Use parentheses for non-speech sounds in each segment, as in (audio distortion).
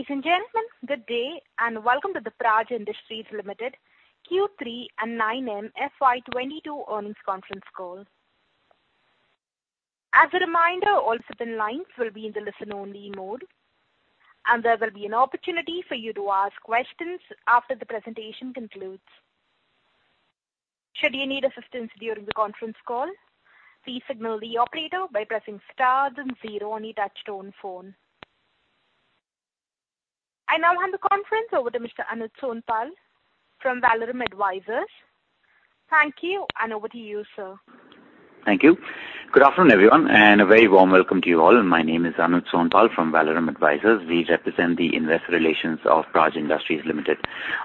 Ladies and gentlemen, good day, and welcome to the Praj Industries Limited Q3 and 9M FY 2022 earnings conference call. As a reminder, all participant lines will be in the listen-only mode, and there will be an opportunity for you to ask questions after the presentation concludes. Should you need assistance during the conference call, please signal the operator by pressing star then zero on your touchtone phone. I now hand the conference over to Mr. Anuj Sonpal from Valorem Advisors. Thank you, and over to you, sir. Thank you. Good afternoon, everyone, and a very warm welcome to you all. My name is Anuj Sonpal from Valorem Advisors. We represent the investor relations of Praj Industries Limited.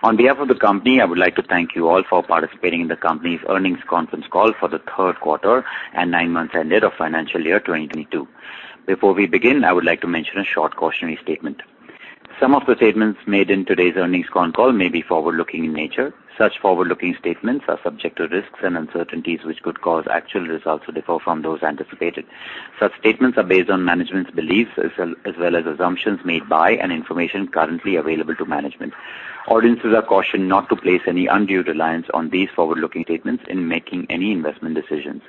On behalf of the company, I would like to thank you all for participating in the company's earnings conference call for the third quarter and nine months ended of financial year 2022. Before we begin, I would like to mention a short cautionary statement. Some of the statements made in today's earnings conference call may be forward-looking in nature. Such forward-looking statements are subject to risks and uncertainties which could cause actual results to differ from those anticipated. Such statements are based on management's beliefs as well as assumptions made by and information currently available to management. Audiences are cautioned not to place any undue reliance on these forward-looking statements in making any investment decisions.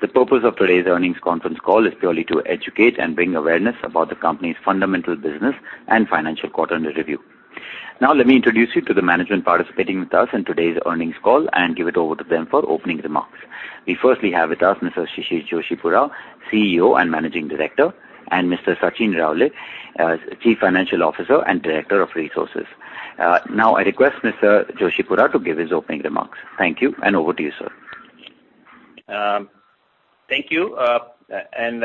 The purpose of today's earnings conference call is purely to educate and bring awareness about the company's fundamental business and financial quarter under review. Now let me introduce you to the management participating with us in today's earnings call and give it over to them for opening remarks. We firstly have with us Mr. Shishir Joshipura, CEO and Managing Director, and Mr. Sachin Raole, Chief Financial Officer and Director of Resources. Now I request Mr. Joshipura to give his opening remarks. Thank you, and over to you, sir. Thank you, and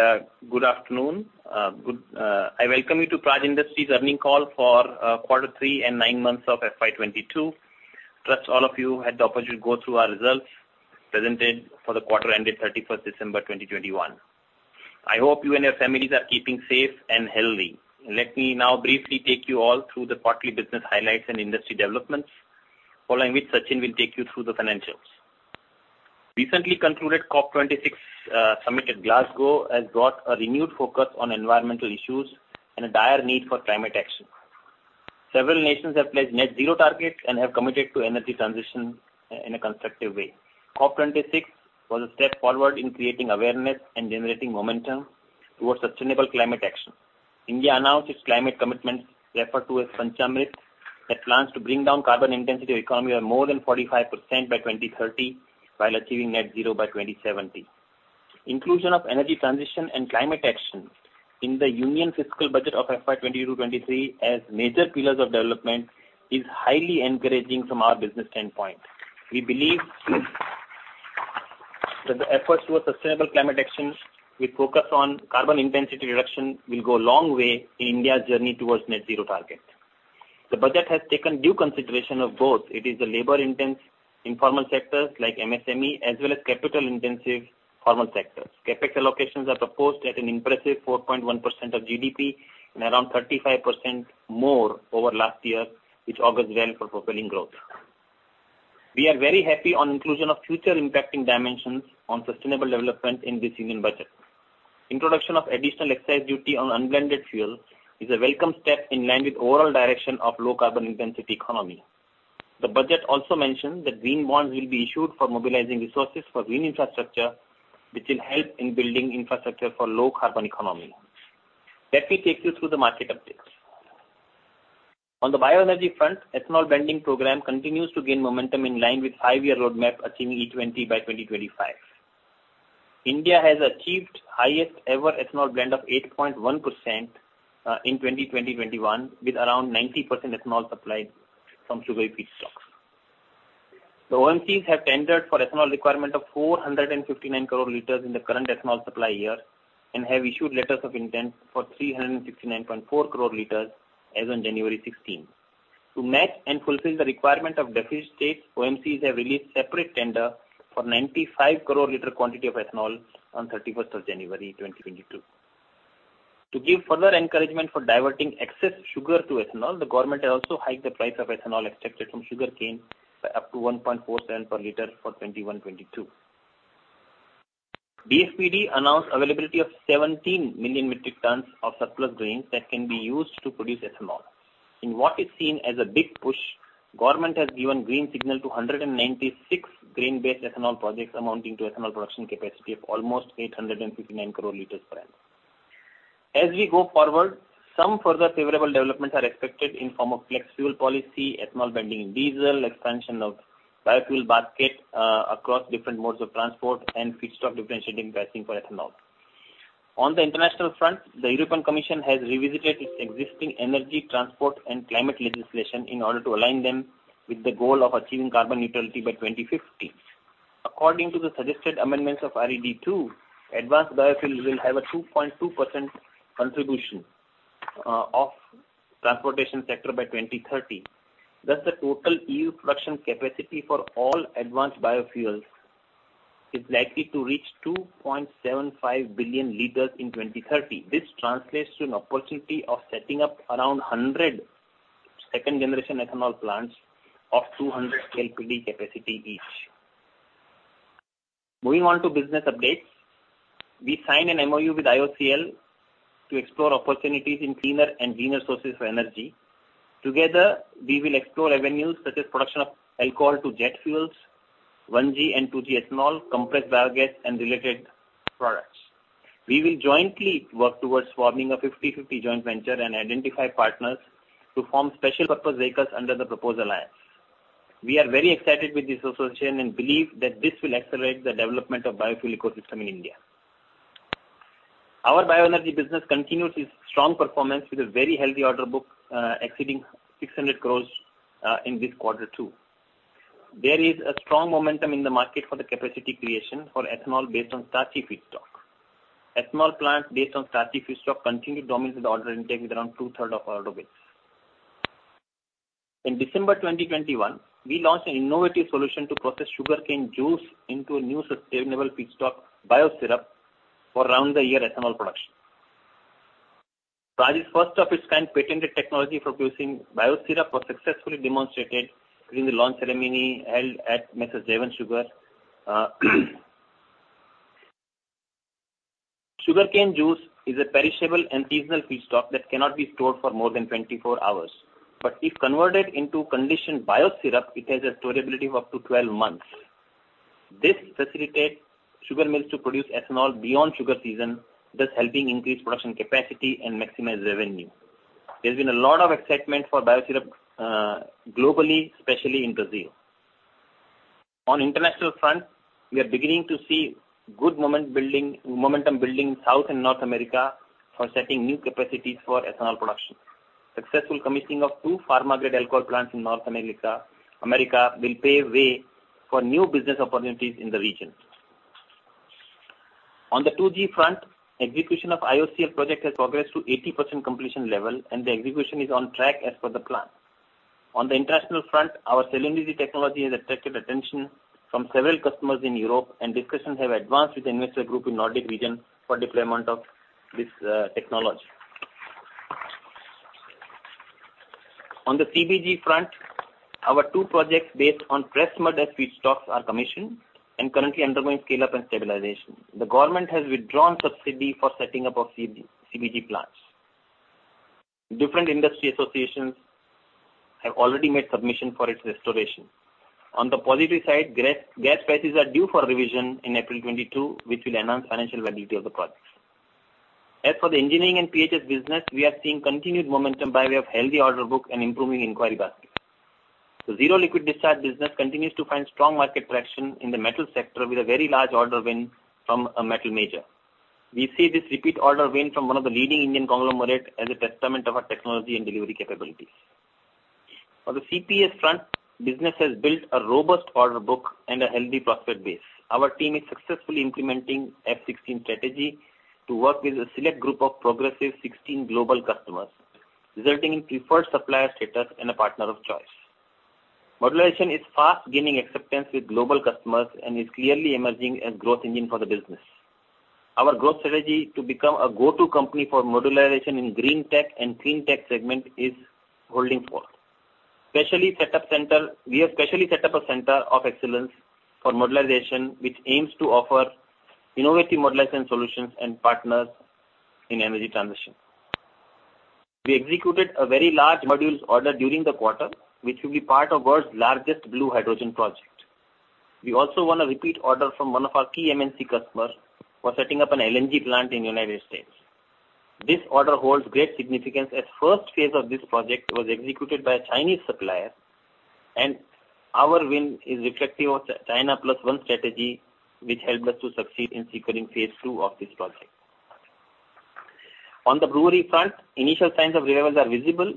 good afternoon. I welcome you to Praj Industries earnings call for quarter three and nine months of FY 2022. Trust all of you had the opportunity to go through our results presented for the quarter ended 31 December 2021. I hope you and your families are keeping safe and healthy. Let me now briefly take you all through the quarterly business highlights and industry developments, following which Sachin will take you through the financials. Recently concluded COP26 Summit at Glasgow has brought a renewed focus on environmental issues and a dire need for climate action. Several nations have pledged net zero target and have committed to energy transition in a constructive way. COP26 was a step forward in creating awareness and generating momentum towards sustainable climate action. India announced its climate commitments referred to as Panchamrit that plans to bring down carbon intensity of economy of more than 45% by 2030, while achieving net zero by 2070. Inclusion of energy transition and climate action in the Union fiscal budget of FY 2022-2023 as major pillars of development is highly encouraging from our business standpoint. We believe that the efforts towards sustainable climate action with focus on carbon intensity reduction will go a long way in India's journey towards net zero target. The budget has taken due consideration of both. It is the labor-intensive informal sectors like MSME as well as capital-intensive formal sectors. CapEx allocations are proposed at an impressive 4.1% of GDP and around 35% more over last year, which augurs well for propelling growth. We are very happy on inclusion of future impacting dimensions on sustainable development in this Union Budget. Introduction of additional excise duty on unblended fuel is a welcome step in line with overall direction of low carbon intensity economy. The budget also mentioned that green bonds will be issued for mobilizing resources for green infrastructure which will help in building infrastructure for low carbon economy. Let me take you through the market updates. On the bioenergy front, ethanol blending program continues to gain momentum in line with five-year roadmap achieving E20 by 2025. India has achieved highest ever ethanol blend of 8.1% in 2020-2021, with around 90% ethanol supplied from sugarcane feedstock. The OMCs have tendered for ethanol requirement of 459 crore liters in the current ethanol supply year and have issued letters of intent for 369.4 crore liters as on January 16. To match and fulfill the requirement of deficit states, OMCs have released separate tender for 95 crore liter quantity of ethanol on January 31, 2022. To give further encouragement for diverting excess sugar to ethanol, the government has also hiked the price of ethanol extracted from sugarcane by up to 1.47 per liter for 2021-2022. DFPD announced availability of 17 million metric tons of surplus grains that can be used to produce ethanol. In what is seen as a big push, government has given green signal to 196 grain-based ethanol projects amounting to ethanol production capacity of almost 859 crore liters per annum. As we go forward, some further favorable developments are expected in form of flex fuel policy, ethanol blending in diesel, expansion of biofuel basket, across different modes of transport, and feedstock differentiating pricing for ethanol. On the international front, the European Commission has revisited its existing energy, transport, and climate legislation in order to align them with the goal of achieving carbon neutrality by 2050. According to the suggested amendments of RED II, advanced biofuels will have a 2.2% contribution of transportation sector by 2030. Thus, the total EU production capacity for all advanced biofuels is likely to reach 2.75 billion liters in 2030. This translates to an opportunity of setting up around 100 2G ethanol plants of 200 KLPD capacity each. Moving on to business updates. We signed an MoU with IOCL to explore opportunities in cleaner and greener sources for energy. Together, we will explore avenues such as production of alcohol to jet fuels, 1G and 2G ethanol, compressed biogas and related products. We will jointly work towards forming a 50/50 joint venture and identify partners to form special purpose vehicles under the proposed alliance. We are very excited with this association and believe that this will accelerate the development of biofuel ecosystem in India. Our bioenergy business continues its strong performance with a very healthy order book exceeding 600 crores in this quarter too. There is a strong momentum in the market for the capacity creation for ethanol based on starchy feedstock. Ethanol plants based on starchy feedstock continue to dominate the order intake with around two-thirds of order base. In December 2021, we launched an innovative solution to process sugarcane juice into a new sustainable feedstock, BIOSYRUP, for year-round ethanol production. Praj's first-of-its-kind patented technology for producing BIOSYRUP was successfully demonstrated during the launch ceremony held at M/s Jaywant Sugars. Sugarcane juice is a perishable and seasonal feedstock that cannot be stored for more than 24 hours. If converted into conditioned BIOSYRUP, it has a storability of up to 12 months. This facilitates sugar mills to produce ethanol beyond sugar season, thus helping increase production capacity and maximize revenue. There's been a lot of excitement for BIOSYRUP globally, especially in Brazil. On international front, we are beginning to see good momentum building in South and North America for setting new capacities for ethanol production. Successful commissioning of two pharma-grade alcohol plants in North America will pave way for new business opportunities in the region. On the 2G front, execution of IOCL project has progressed to 80% completion level, and the execution is on track as per the plan. On the international front, our Celluniti technology has attracted attention from several customers in Europe and discussions have advanced with investor group in Nordic region for deployment of this technology. On the CBG front, our two projects based on press mud as feedstocks are commissioned and currently undergoing scale-up and stabilization. The government has withdrawn subsidy for setting up of CBG plants. Different industry associations have already made submission for its restoration. On the positive side, gas prices are due for revision in April 2022, which will enhance financial viability of the projects. As for the engineering and PHS business, we are seeing continued momentum by way of healthy order book and improving inquiry basket. The zero liquid discharge business continues to find strong market traction in the metal sector with a very large order win from a metal major. We see this repeat order win from one of the leading Indian conglomerate as a testament of our technology and delivery capabilities. On the CPES front, business has built a robust order book and a healthy prospect base. Our team is successfully implementing F16 strategy to work with a select group of progressive global customers, resulting in preferred supplier status and a partner of choice. Modularization is fast gaining acceptance with global customers and is clearly emerging as growth engine for the business. Our growth strategy to become a go-to company for modularization in green tech and clean tech segment is holding forth. We have specially set up a center of excellence for modularization, which aims to offer innovative modularization solutions and partners in energy transition. We executed a very large modules order during the quarter, which will be part of world's largest blue hydrogen project. We also won a repeat order from one of our key MNC customers for setting up an LNG plant in United States. This order holds great significance as first phase of this project was executed by a Chinese supplier, and our win is reflective of China Plus One strategy, which helped us to succeed in securing phase two of this project. On the brewery front, initial signs of revival are visible.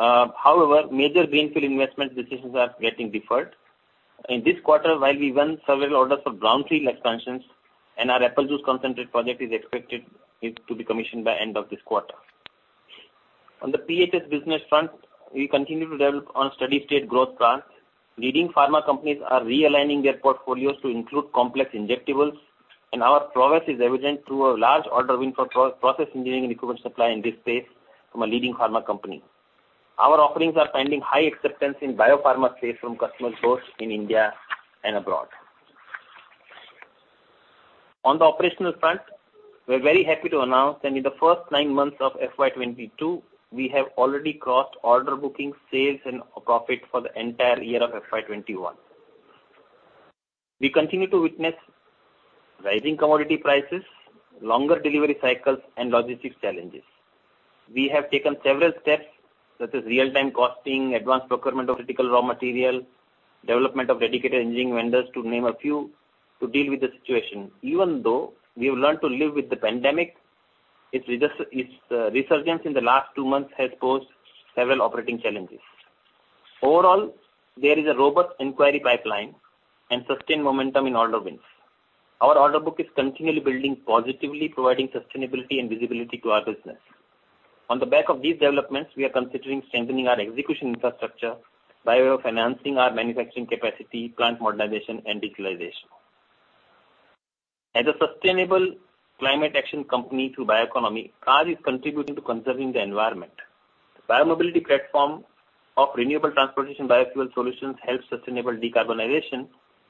However, major greenfield investment decisions are getting deferred. In this quarter, while we won several orders for brownfield expansions and our apple juice concentrate project is expected to be commissioned by end of this quarter. On the PHS business front, we continue to develop on steady-state growth plans. Leading pharma companies are realigning their portfolios to include complex injectables, and our progress is evident through a large order win for process engineering and equipment supply in this space from a leading pharma company. Our offerings are finding high acceptance in biopharma space from customers sourced in India and abroad. On the operational front, we're very happy to announce that in the first 9 months of FY 2022, we have already crossed order booking, sales and profit for the entire year of FY 2021. We continue to witness rising commodity prices, longer delivery cycles and logistics challenges. We have taken several steps, such as real-time costing, advanced procurement of critical raw material, development of dedicated engineering vendors to name a few, to deal with the situation. Even though we have learned to live with the pandemic, its resurgence in the last two months has posed several operating challenges. Overall, there is a robust inquiry pipeline and sustained momentum in order wins. Our order book is continually building positively, providing sustainability and visibility to our business. On the back of these developments, we are considering strengthening our execution infrastructure by way of enhancing our manufacturing capacity, plant modernization and digitalization. As a sustainable climate action company through bioeconomy, Praj is contributing to conserving the environment. The Bio-Mobility platform of renewable transportation biofuel solutions helps sustainable decarbonization,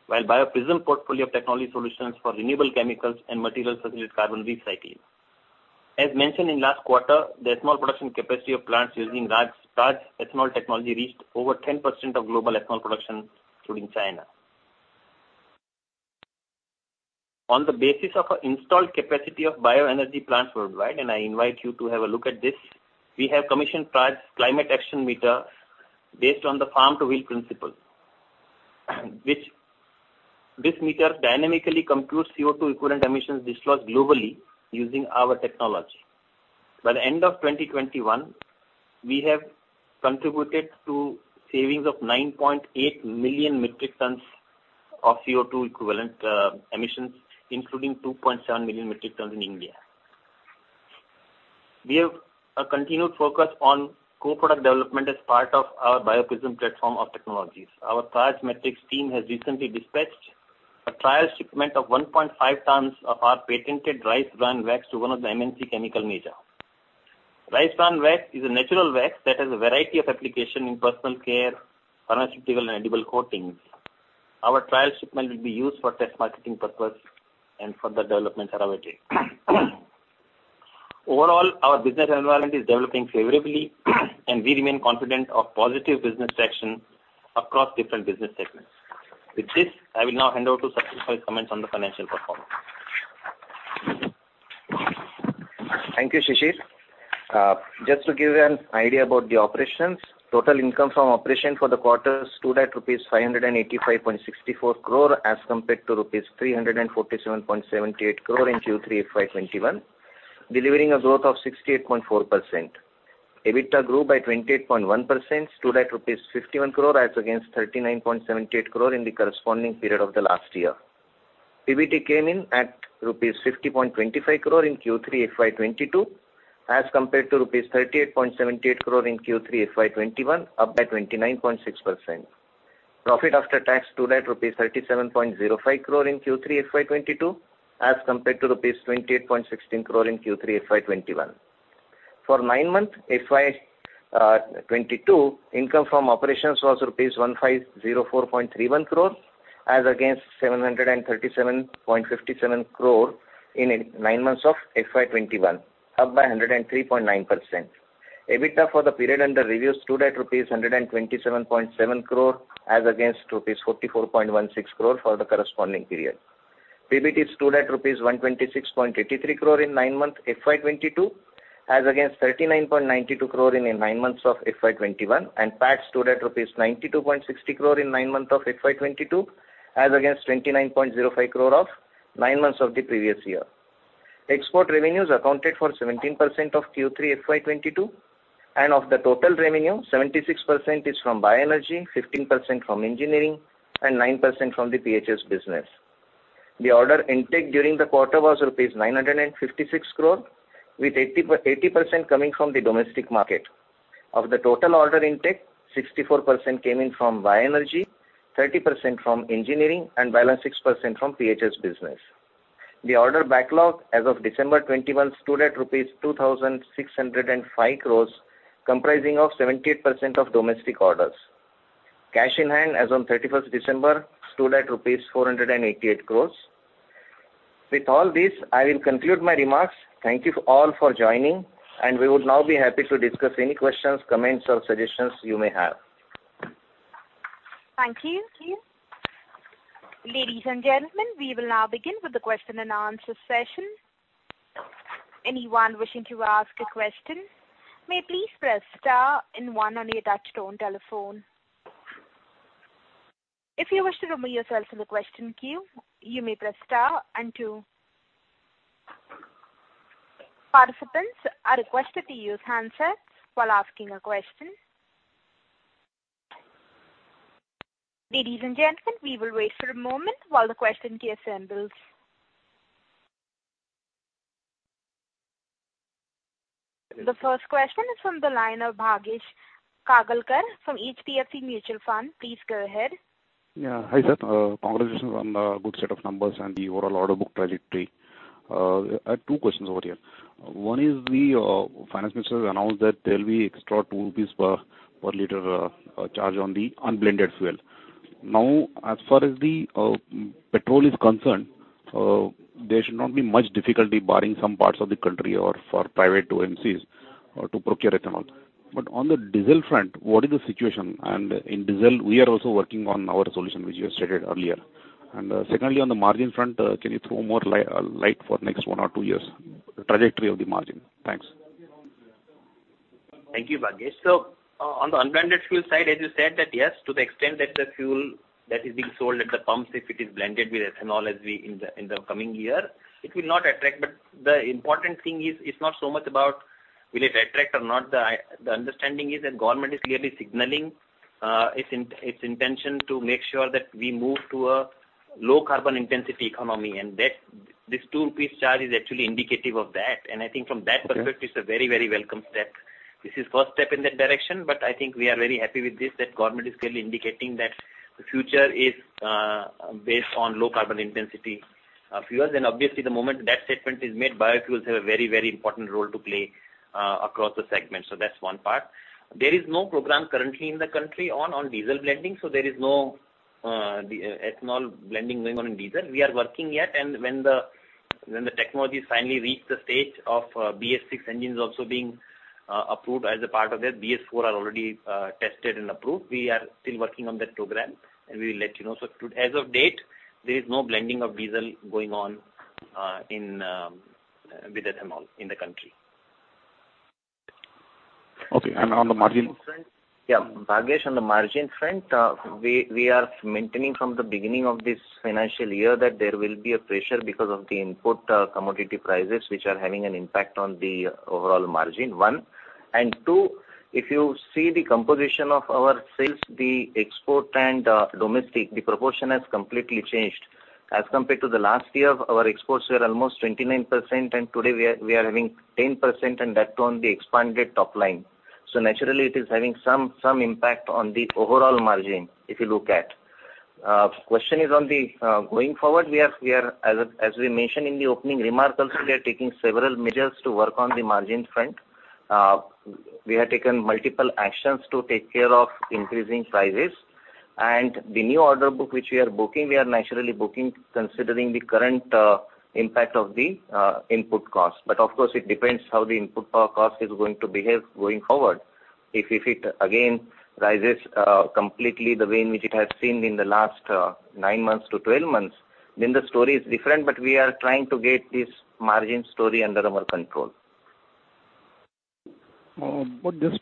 while Bio-Prism portfolio of technology solutions for renewable chemicals and materials facilitate carbon recycling. As mentioned in last quarter, the ethanol production capacity of plants using Praj Ethanol technology reached over 10% of global ethanol production, including China. On the basis of our installed capacity of bioenergy plants worldwide, and I invite you to have a look at this, we have commissioned Praj Climate Action Meter based on the farm-to-wheel principle, which this meter dynamically computes CO2 equivalent emissions disclosed globally using our technology. By the end of 2021, we have contributed to savings of 9.8 million metric tons of CO2 equivalent emissions, including 2.7 million metric tons in India. We have a continued focus on co-product development as part of our Bio-Prism platform of technologies. Our Praj Matrix team has recently dispatched a trial shipment of 1.5 tons of our patented rice bran wax to one of the MNC chemical major. Rice bran wax is a natural wax that has a variety of applications in personal care, pharmaceuticals and edible coatings. Our trial shipment will be used for test marketing purposes and further development trajectory. Overall, our business environment is developing favorably, and we remain confident of positive business traction across different business segments. With this, I will now hand over to Sachin for his comments on the financial performance. Thank you, Shishir. Just to give you an idea about the operations. Total income from operations for the quarter stood at rupees 585.64 crore as compared to rupees 347.78 crore in Q3 FY 2021, delivering a growth of 68.4%. EBITDA grew by 28.1%, stood at rupees 51 crore as against 39.78 crore in the corresponding period of the last year. PBT came in at rupees 50.25 crore in Q3 FY 2022 as compared to rupees 38.78 crore in Q3 FY 2021, up by 29.6%. Profit after tax stood at rupees 37.05 crore in Q3 FY 2022 as compared to rupees 28.16 crore in Q3 FY 2021. For 9 months FY 2022, income from operations was rupees 1,504.31 crore as against 737.57 crore in nine months of FY 2021, up by 103.9%. EBITDA for the period under review stood at INR 127.7 crore as against INR 44.16 crore for the corresponding period. PBT stood at INR 126.83 crore in 9 months FY 2022 as against 39.92 crore in the nine months of FY 2021, and PAT stood at rupees 92.60 crore in 9 months of FY 2022 as against 29.05 crore of 9 months of the previous year. Export revenues accounted for 17% of Q3 FY 2022. Of the total revenue, 76% is from bioenergy, 15% from engineering, and 9% from the PHS business. The order intake during the quarter was rupees 956 crore, with 80% coming from the domestic market. Of the total order intake, 64% came in from bioenergy, 30% from engineering, and balance 6% from PHS business. The order backlog as of December 2021 stood at rupees 2,605 crore, comprising 78% of domestic orders. Cash in hand as on 31st December stood at rupees 488 crore. With all this, I will conclude my remarks. Thank you all for joining, and we would now be happy to discuss any questions, comments or suggestions you may have. Thank you. Ladies and gentlemen, we will now begin with the question and answer session. Anyone wishing to ask a question may please press star and one on your touchtone telephone. If you wish to remove yourself from the question queue, you may press star and two. Participants are requested to use handsets while asking a question. Ladies and gentlemen, we will wait for a moment while the question queue assembles. The first question is from the line of Bhagyesh Kagalkar from HDFC Mutual Fund. Please go ahead. Hi, sir. Congratulations on the good set of numbers and the overall order book trajectory. Two questions over here. One is the finance minister announced that there'll be extra 2 rupees per liter charge on the unblended fuel. Now, as far as the petrol is concerned, there should not be much difficulty barring some parts of the country or for private OMCs to procure ethanol. But on the diesel front, what is the situation? In diesel, we are also working on our solution, which you have stated earlier. Secondly, on the margin front, can you throw more light for next 1 or 2 years, the trajectory of the margin? Thanks. Thank you, Bhagyesh. On the unblended fuel side, as you said that yes, to the extent that the fuel that is being sold at the pumps, if it is blended with ethanol as we in the coming year, it will not attract. The important thing is it's not so much about will it attract or not. The understanding is that government is clearly signaling its intention to make sure that we move to a low carbon intensity economy, and that this 2 rupees charge is actually indicative of that. I think from that perspective. It's a very, very welcome step. This is first step in that direction, but I think we are very happy with this, that government is clearly indicating that the future is based on low carbon intensity. In a few years, and obviously the moment that statement is made, biofuels have a very, very important role to play across the segment. That's one part. There is no program currently in the country on diesel blending, so there is no ethanol blending going on in diesel. We are working yet, and when the technologies finally reach the stage of BS-6 engines also being approved as a part of that, BS-4 are already tested and approved. We are still working on that program, and we will let you know. As of date, there is no blending of diesel going on with ethanol in the country. Okay. And on the margin front? Bhagyesh, on the margin front, we are maintaining from the beginning of this financial year that there will be a pressure because of the input commodity prices, which are having an impact on the overall margin, one. Two, if you see the composition of our sales, the export and domestic, the proportion has completely changed. As compared to the last year, our exports were almost 29%, and today we are having 10%, and that on the expanded top line. Naturally it is having some impact on the overall margin, if you look at. The question is on the going forward, we are as we mentioned in the opening remarks also, we are taking several measures to work on the margin front. We have taken multiple actions to take care of increasing prices. The new order book which we are booking, we are naturally booking considering the current impact of the input cost. Of course it depends how the input power cost is going to behave going forward. If it again rises completely the way in which it has been in the last 9 months to 12 months, then the story is different. We are trying to get this margin story under our control. Just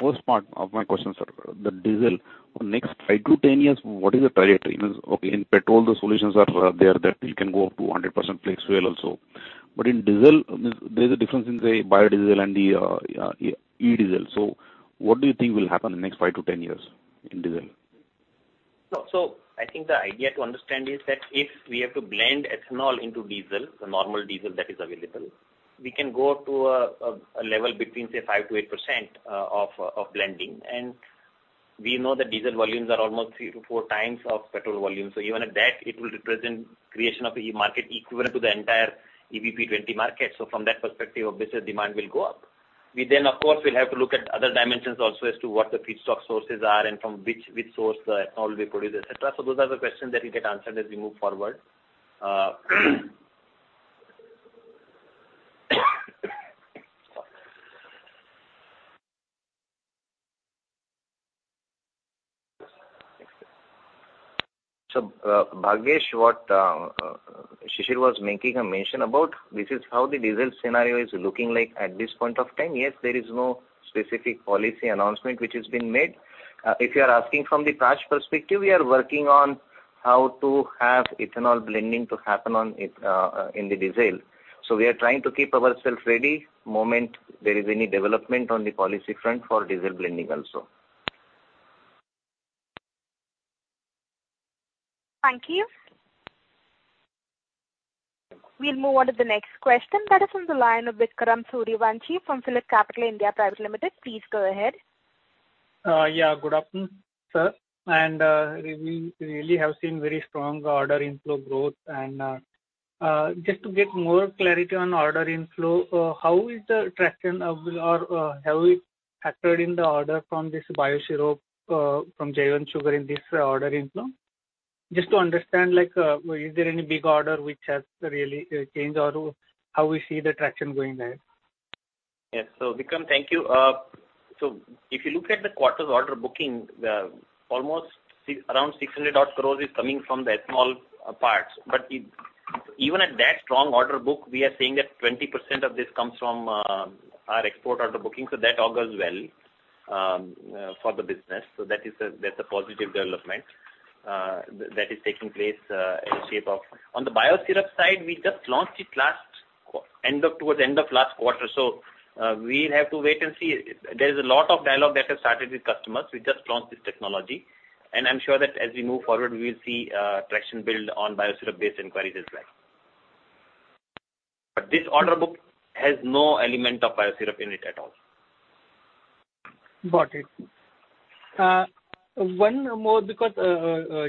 first part of my question, sir. The diesel, next 5 to 10 years, what is the trajectory? Means, okay, in petrol the solutions are there, that it can go up to a 100% flex fuel also. In diesel, there's a difference in, say, biodiesel and the e-diesel. What do you think will happen in the next 5 to 10 years in diesel? I think the idea to understand is that if we have to blend ethanol into diesel, the normal diesel that is available, we can go to a level between, say, 5%-8% of blending. We know that diesel volumes are almost 3x-4x of petrol volumes. Even at that, it will represent creation of ethanol market equivalent to the entire EBP 20 market. From that perspective, obviously demand will go up. We then, of course, will have to look at other dimensions also as to what the feedstock sources are and from which source the ethanol will be produced, et cetera. Those are the questions that we can answer as we move forward. Bhagyesh, what Shishir was making a mention about, this is how the diesel scenario is looking like at this point of time. Yes, there is no specific policy announcement which has been made. If you are asking from the cash perspective, we are working on how to have ethanol blending to happen on, in the diesel. We are trying to keep ourselves ready the moment there is any development on the policy front for diesel blending also. Thank you. We'll move on to the next question. That is on the line of Vikram Suryavanshi from PhillipCapital (India) Private Limited. Please go ahead. Good afternoon, sir. We really have seen very strong order inflow growth. Just to get more clarity on order inflow, how is the traction, or have we factored in the order from this BIOSYRUP from Jaywant Sugars in this order inflow? Just to understand, like, is there any big order which has really changed or how we see the traction going there? Vikram, thank you. If you look at the quarter's order booking, around 600 crore is coming from the ethanol parts. Even at that strong order book, we are saying that 20% of this comes from our export order booking, so that augurs well for the business. That is a positive development that is taking place in shape of. On the BIOSYRUP side, we just launched it towards the end of last quarter. We'll have to wait and see. There's a lot of dialogue that has started with customers. We just launched this technology. I'm sure that as we move forward, we'll see traction build on BIOSYRUP-based inquiries as well. This order book has no element of BIOSYRUP in it at all. Got it. One more, because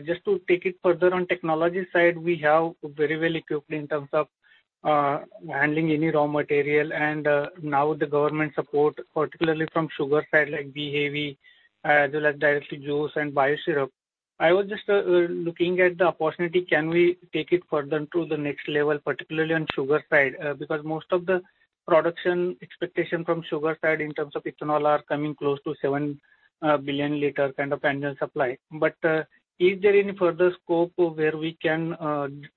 just to take it further on technology side, we have very well equipped in terms of handling any raw material. Now the government support, particularly from sugar side, like B-heavy, as well as directly juice and BIOSYRUP. I was just looking at the opportunity, can we take it further to the next level, particularly on sugar side? Because most of the production expectation from sugar side in terms of ethanol are coming close to 7 billion liter kind of annual supply. Is there any further scope where we can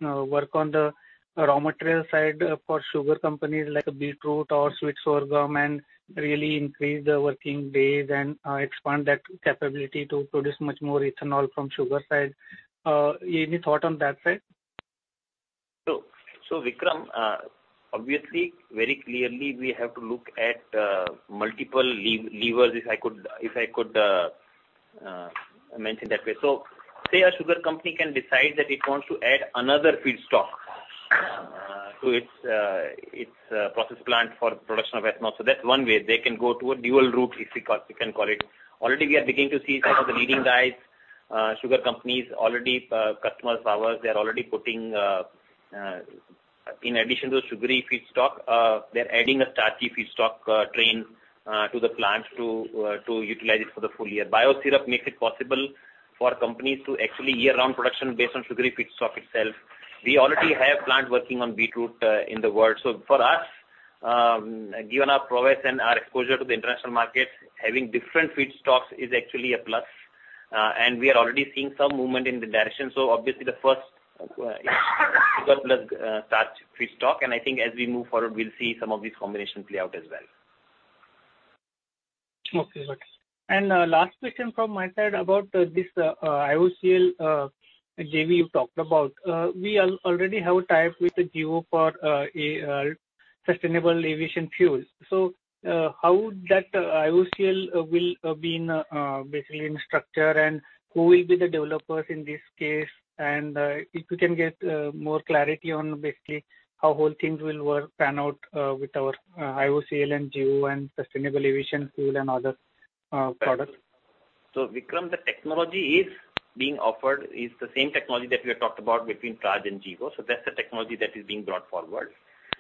work on the raw material side for sugar companies like beetroot or sweet sorghum and really increase the working days and expand that capability to produce much more ethanol from sugar side? Any thought on that side? Vikram, obviously very clearly we have to look at multiple levers, if I could mention that way. Say a sugar company can decide that it wants to add another feedstock to its process plant for production of ethanol. That's one way. They can go to a dual route, if you can call it. Already we are beginning to see some of the leading guys, sugar companies already, customers of ours, they are already putting, in addition to sugary feedstock, they're adding a starchy feedstock train to the plants to utilize it for the full year. BIOSYRUP makes it possible for companies to actually year-round production based on sugary feedstock itself. We already have plants working on beetroot in the world. For us, given our prowess and our exposure to the international market, having different feedstocks is actually a plus. We are already seeing some movement in the direction. Obviously the first is sugar plus starch feedstock, and I think as we move forward, we'll see some of these combinations play out as well. Last question from my side about this IOCL JV you talked about. We already have a tie-up with the Gevo for a sustainable aviation fuels. How that IOCL will be in basically in structure and who will be the developers in this case? If you can get more clarity on basically how whole things will work, pan out with our IOCL and Gevo and sustainable aviation fuel and other products. Vikram, the technology is being offered is the same technology that we had talked about between Praj and Gevo. That's the technology that is being brought forward.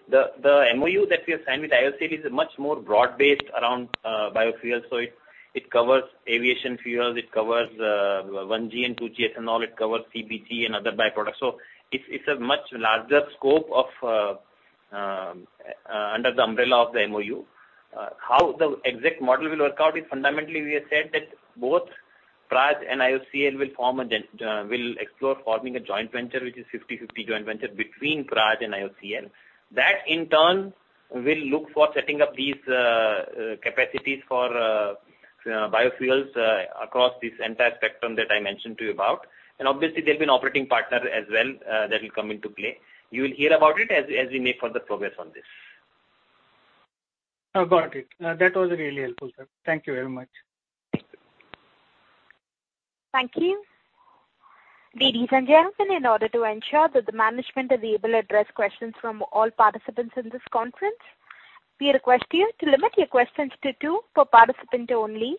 The MoU that we have signed with IOCL is a much more broad-based around biofuels. It covers aviation fuels, it covers 1G and 2G ethanol, it covers CBG and other by-products. It's a much larger scope of under the umbrella of the MoU. How the exact model will work out is fundamentally we have said that both Praj and IOCL will explore forming a joint venture, which is a 50/50 joint venture between Praj and IOCL. That in turn will look for setting up these capacities for biofuels across this entire spectrum that I mentioned to you about. Obviously there'll be an operating partner as well, that will come into play. You will hear about it as we make further progress on this. Got it. That was really helpful, sir. Thank you very much. Thank you. Ladies and gentlemen, in order to ensure that the management is able to address questions from all participants in this conference, we request you to limit your questions to two per participant only.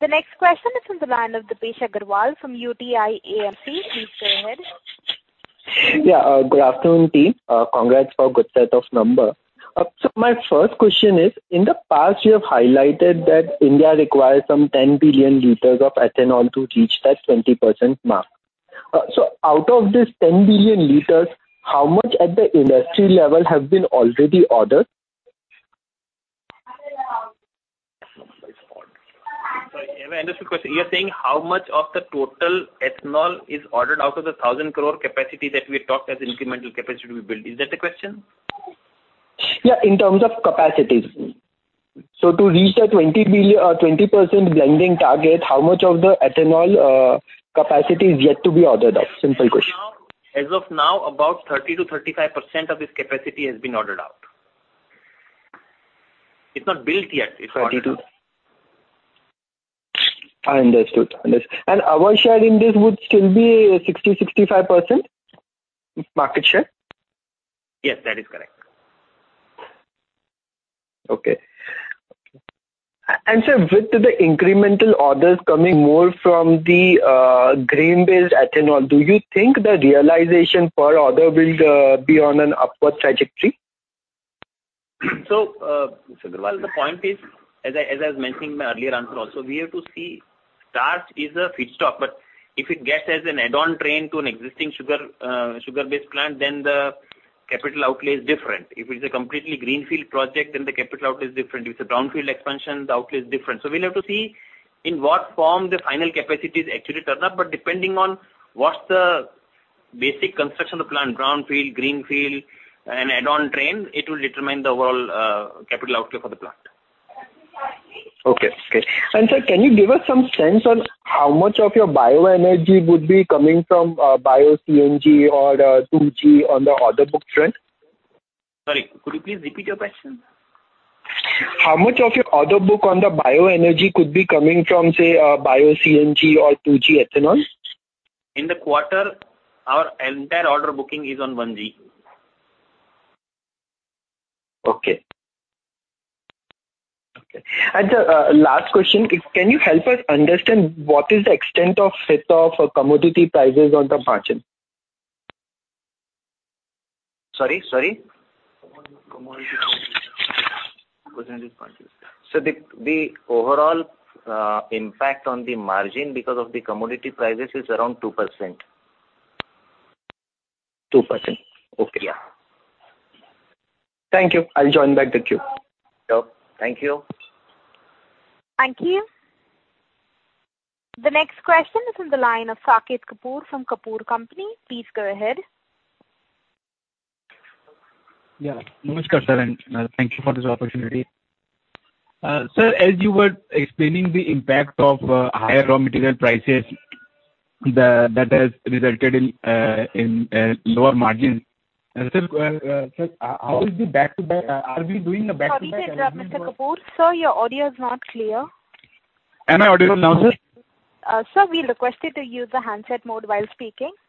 The next question is on the line of Deepesh Agarwal from UTI AMC. Please go ahead. Yeah. Good afternoon, team. Congrats for good set of numbers. My first question is, in the past you have highlighted that India requires some 10 billion liters of ethanol to reach that 20% mark. Out of this 10 billion liters, how much at the industry level have been already ordered? Sorry. I understand the question. You're saying how much of the total ethanol is ordered out of the 1,000 crore capacity that we talked as incremental capacity we build. Is that the question? Yeah, in terms of capacities. To reach the 20% blending target, how much of the ethanol capacity is yet to be ordered out? Simple question. As of now, about 30%-35% of this capacity has been ordered out. It's not built yet. It's ordered out. 32. I understood. Our share in this would still be 60%-65%? Market share. Yes, that is correct. Okay. Sir, with the incremental orders coming more from the grain-based ethanol, do you think the realization per order will be on an upward trajectory? Mr. Agarwal, the point is, as I was mentioning in my earlier answer also, we have to see starch is a feedstock, but if it's an add-on train to an existing sugar-based plant, then the capital outlay is different. If it is a completely greenfield project, then the capital outlay is different. If it's a brownfield expansion, the outlay is different. We'll have to see in what form the final capacities actually turn up. Depending on what's the basic construction of the plant, brownfield, greenfield, an add-on train, it will determine the overall capital outlay for the plant. Okay. Sir, can you give us some sense on how much of your bioenergy would be coming from Bio-CNG or 2G on the order book front? Sorry, could you please repeat your question? How much of your order book on the bioenergy could be coming from, say, Bio-CNG or 2G ethanol? In the quarter, our entire order booking is on 1G. Okay. Last question. Can you help us understand what is the extent of hit of commodity prices on the margin? Sorry? Commodity prices. The overall impact on the margin because of the commodity prices is around 2%. 2%? Okay. Thank you. I'll join back the queue. Sure. Thank you. Thank you. The next question is on the line of Saket Kapoor from Kapoor & Company. Please go ahead. Yeah. Namaskar, sir, and thank you for this opportunity. Sir, as you were explaining the impact of higher raw material prices, that has resulted in lower margins. Sir, how is the back to back? Are we doing the back to back Sorry, Mr. Kapoor. Sir, your audio is not clear. Am I audible now, sir? Sir, we requested to use the handset mode while speaking. (audio distortion)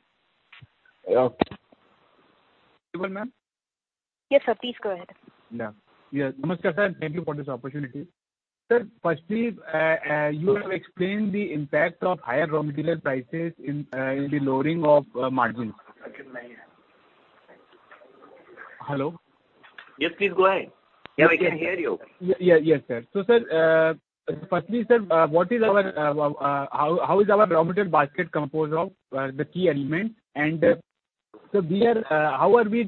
Yes, sir. Please go ahead. Yeah. Yes. Namaskar, sir. Thank you for this opportunity. Sir, firstly, you have explained the impact of higher raw material prices in the lowering of margins. Hello? Yes, please go ahead. Yeah, we can hear you. Yes, sir. Firstly, sir, how is our raw material basket composed of the key elements? Are we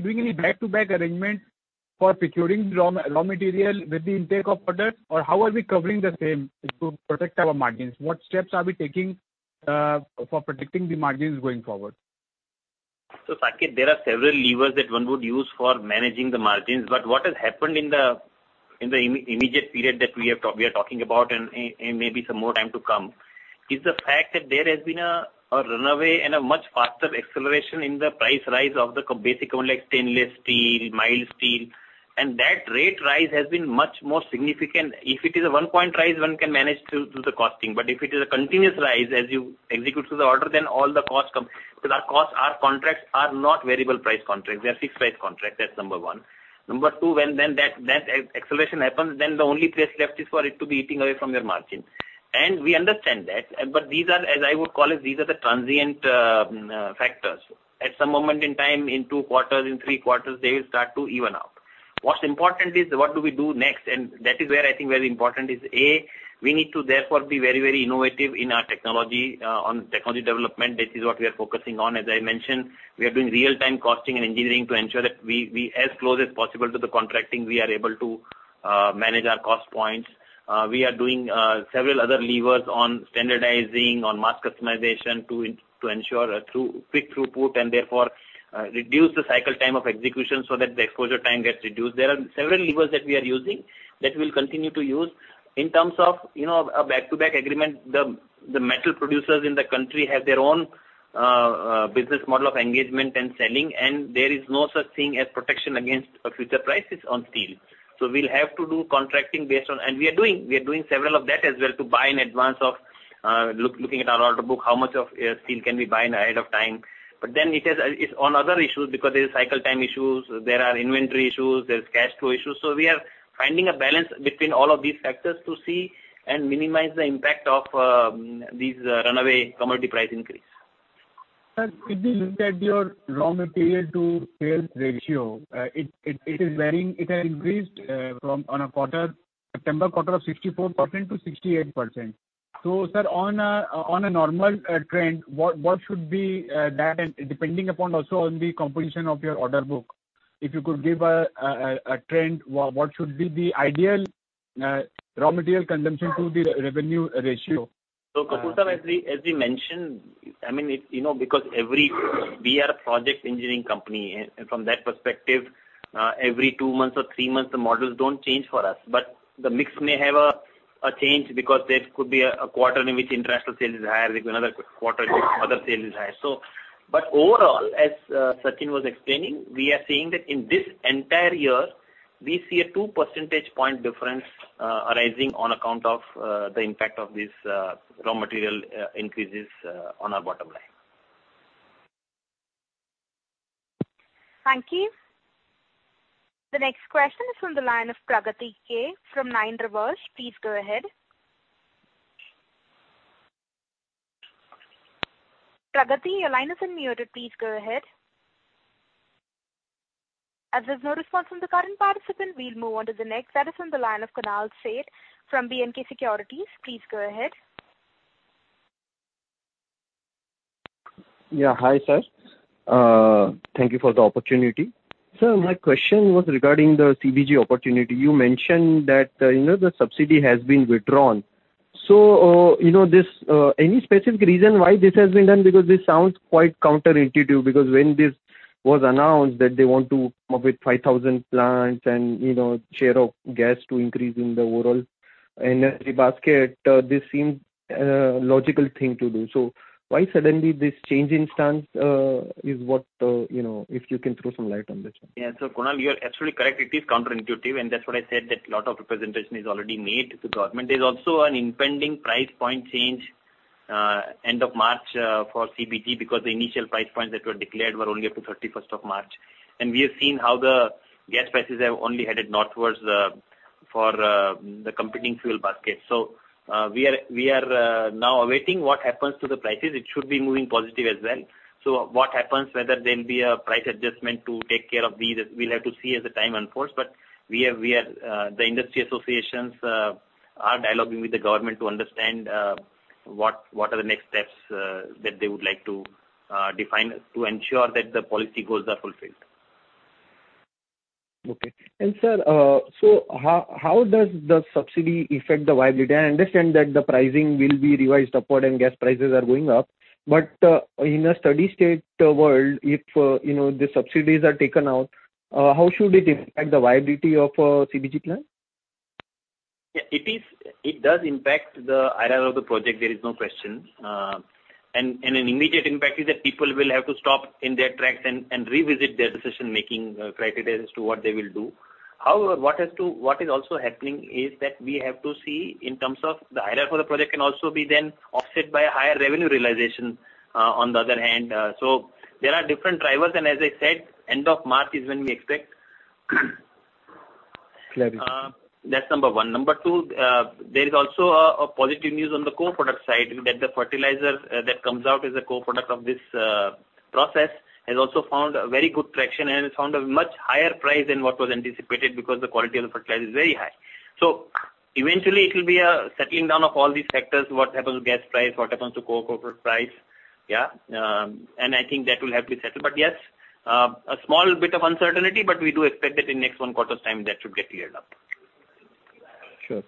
doing any back-to-back arrangement for procuring raw material with the intake of order or how are we covering the same to protect our margins? What steps are we taking for protecting the margins going forward? Saket, there are several levers that one would use for managing the margins. What has happened in the immediate period that we are talking about and maybe some more time to come is the fact that there has been a runaway and a much faster acceleration in the price rise of the basic, like stainless steel, mild steel. That rate rise has been much more significant. If it is a one point rise, one can manage through the costing, but if it is a continuous rise as you execute through the order, then all the costs come. Because our costs, our contracts are not variable price contracts. They are fixed price contract. That's number one. Number two, when that acceleration happens, then the only place left is for it to be eating away from your margin. We understand that. These are, as I would call it, these are the transient factors. At some moment in time, in 2 quarters, in 3 quarters, they will start to even out. What's important is what do we do next? That is where I think very important is A, we need to therefore be very, very innovative in our technology, on technology development. This is what we are focusing on. As I mentioned, we are doing real-time costing and engineering to ensure that we as close as possible to the contracting, we are able to manage our cost points. We are doing several other levers on standardizing, on mass customization to ensure a thorough, quick throughput and therefore, reduce the cycle time of execution so that the exposure time gets reduced. There are several levers that we are using that we'll continue to use. In terms of, you know, a back-to-back agreement, the metal producers in the country have their own business model of engagement and selling, and there is no such thing as protection against future prices on steel. So we'll have to do contracting based on. We are doing several of that as well to buy in advance of, looking at our order book, how much of steel can we buy in ahead of time. It has its own other issues because there's cycle time issues, there are inventory issues, there's cash flow issues. We are finding a balance between all of these factors to see and minimize the impact of these runaway commodity price increase. Sir, if we look at your raw material to sales ratio, it is varying. It has increased from one quarter, September quarter of 64%-68%. Sir, on a normal trend, what should be that and depending upon also on the composition of your order book, if you could give a trend, what should be the ideal raw material consumption to the revenue ratio? Kapoor sir, as we mentioned, I mean, you know, because we are a project engineering company, and from that perspective, every 2 months or 3 months, the models don't change for us. The mix may have a change because there could be a quarter in which international sales is higher, there could be another quarter in which other sales is higher. Overall, as Sachin was explaining, we are seeing that in this entire year, we see a 2 percentage point difference arising on account of the impact of these raw material increases on our bottom line. Thank you. The next question is from the line of Pragati K from Nine Rivers. Please go ahead. Pragati, your line is unmuted. Please go ahead. As there's no response from the current participant, we'll move on to the next. That is on the line of Kunal Sheth from B&K Securities. Please go ahead. Yeah. Hi, sir. Thank you for the opportunity. Sir, my question was regarding the CBG opportunity. You mentioned that, you know, the subsidy has been withdrawn. So, you know, this, any specific reason why this has been done? Because this sounds quite counterintuitive, because when this was announced that they want to come up with 5,000 plants and, you know, share of gas to increase in the overall energy basket, this seems, logical thing to do. So why suddenly this change in stance, is what, you know, if you can throw some light on this one. Yeah. Kunal, you are absolutely correct. It is counterintuitive, and that's what I said that a lot of representation is already made to government. There's also an impending price point change end of March for CBG because the initial price points that were declared were only up to 31st March. We have seen how the gas prices have only headed north towards the competing fuel baskets. We are now awaiting what happens to the prices. It should be moving positive as well. What happens, whether there'll be a price adjustment to take care of these, we'll have to see as the time unfolds. The industry associations are dialoguing with the government to understand what are the next steps that they would like to define to ensure that the policy goals are fulfilled. Okay. Sir, so how does the subsidy affect the viability? I understand that the pricing will be revised upward and gas prices are going up. In a steady state world, if you know, the subsidies are taken out, how should it impact the viability of CBG plant? It does impact the IRR of the project, there is no question. An immediate impact is that people will have to stop in their tracks and revisit their decision-making criteria as to what they will do. However, what is also happening is that we have to see in terms of the IRR for the project can also be then offset by a higher revenue realization on the other hand. There are different drivers, and as I said, end of March is when we expect clarity. That's number one. Number two, there is also a positive news on the co-product side that the fertilizer that comes out as a co-product of this process has also found a very good traction and has found a much higher price than what was anticipated because the quality of the fertilizer is very high. So eventually it will be a settling down of all these factors, what happens to gas price, what happens to co-product price. I think that will have to settle. Yes, a small bit of uncertainty, but we do expect that in next 1 quarter's time that should get cleared up. Sure.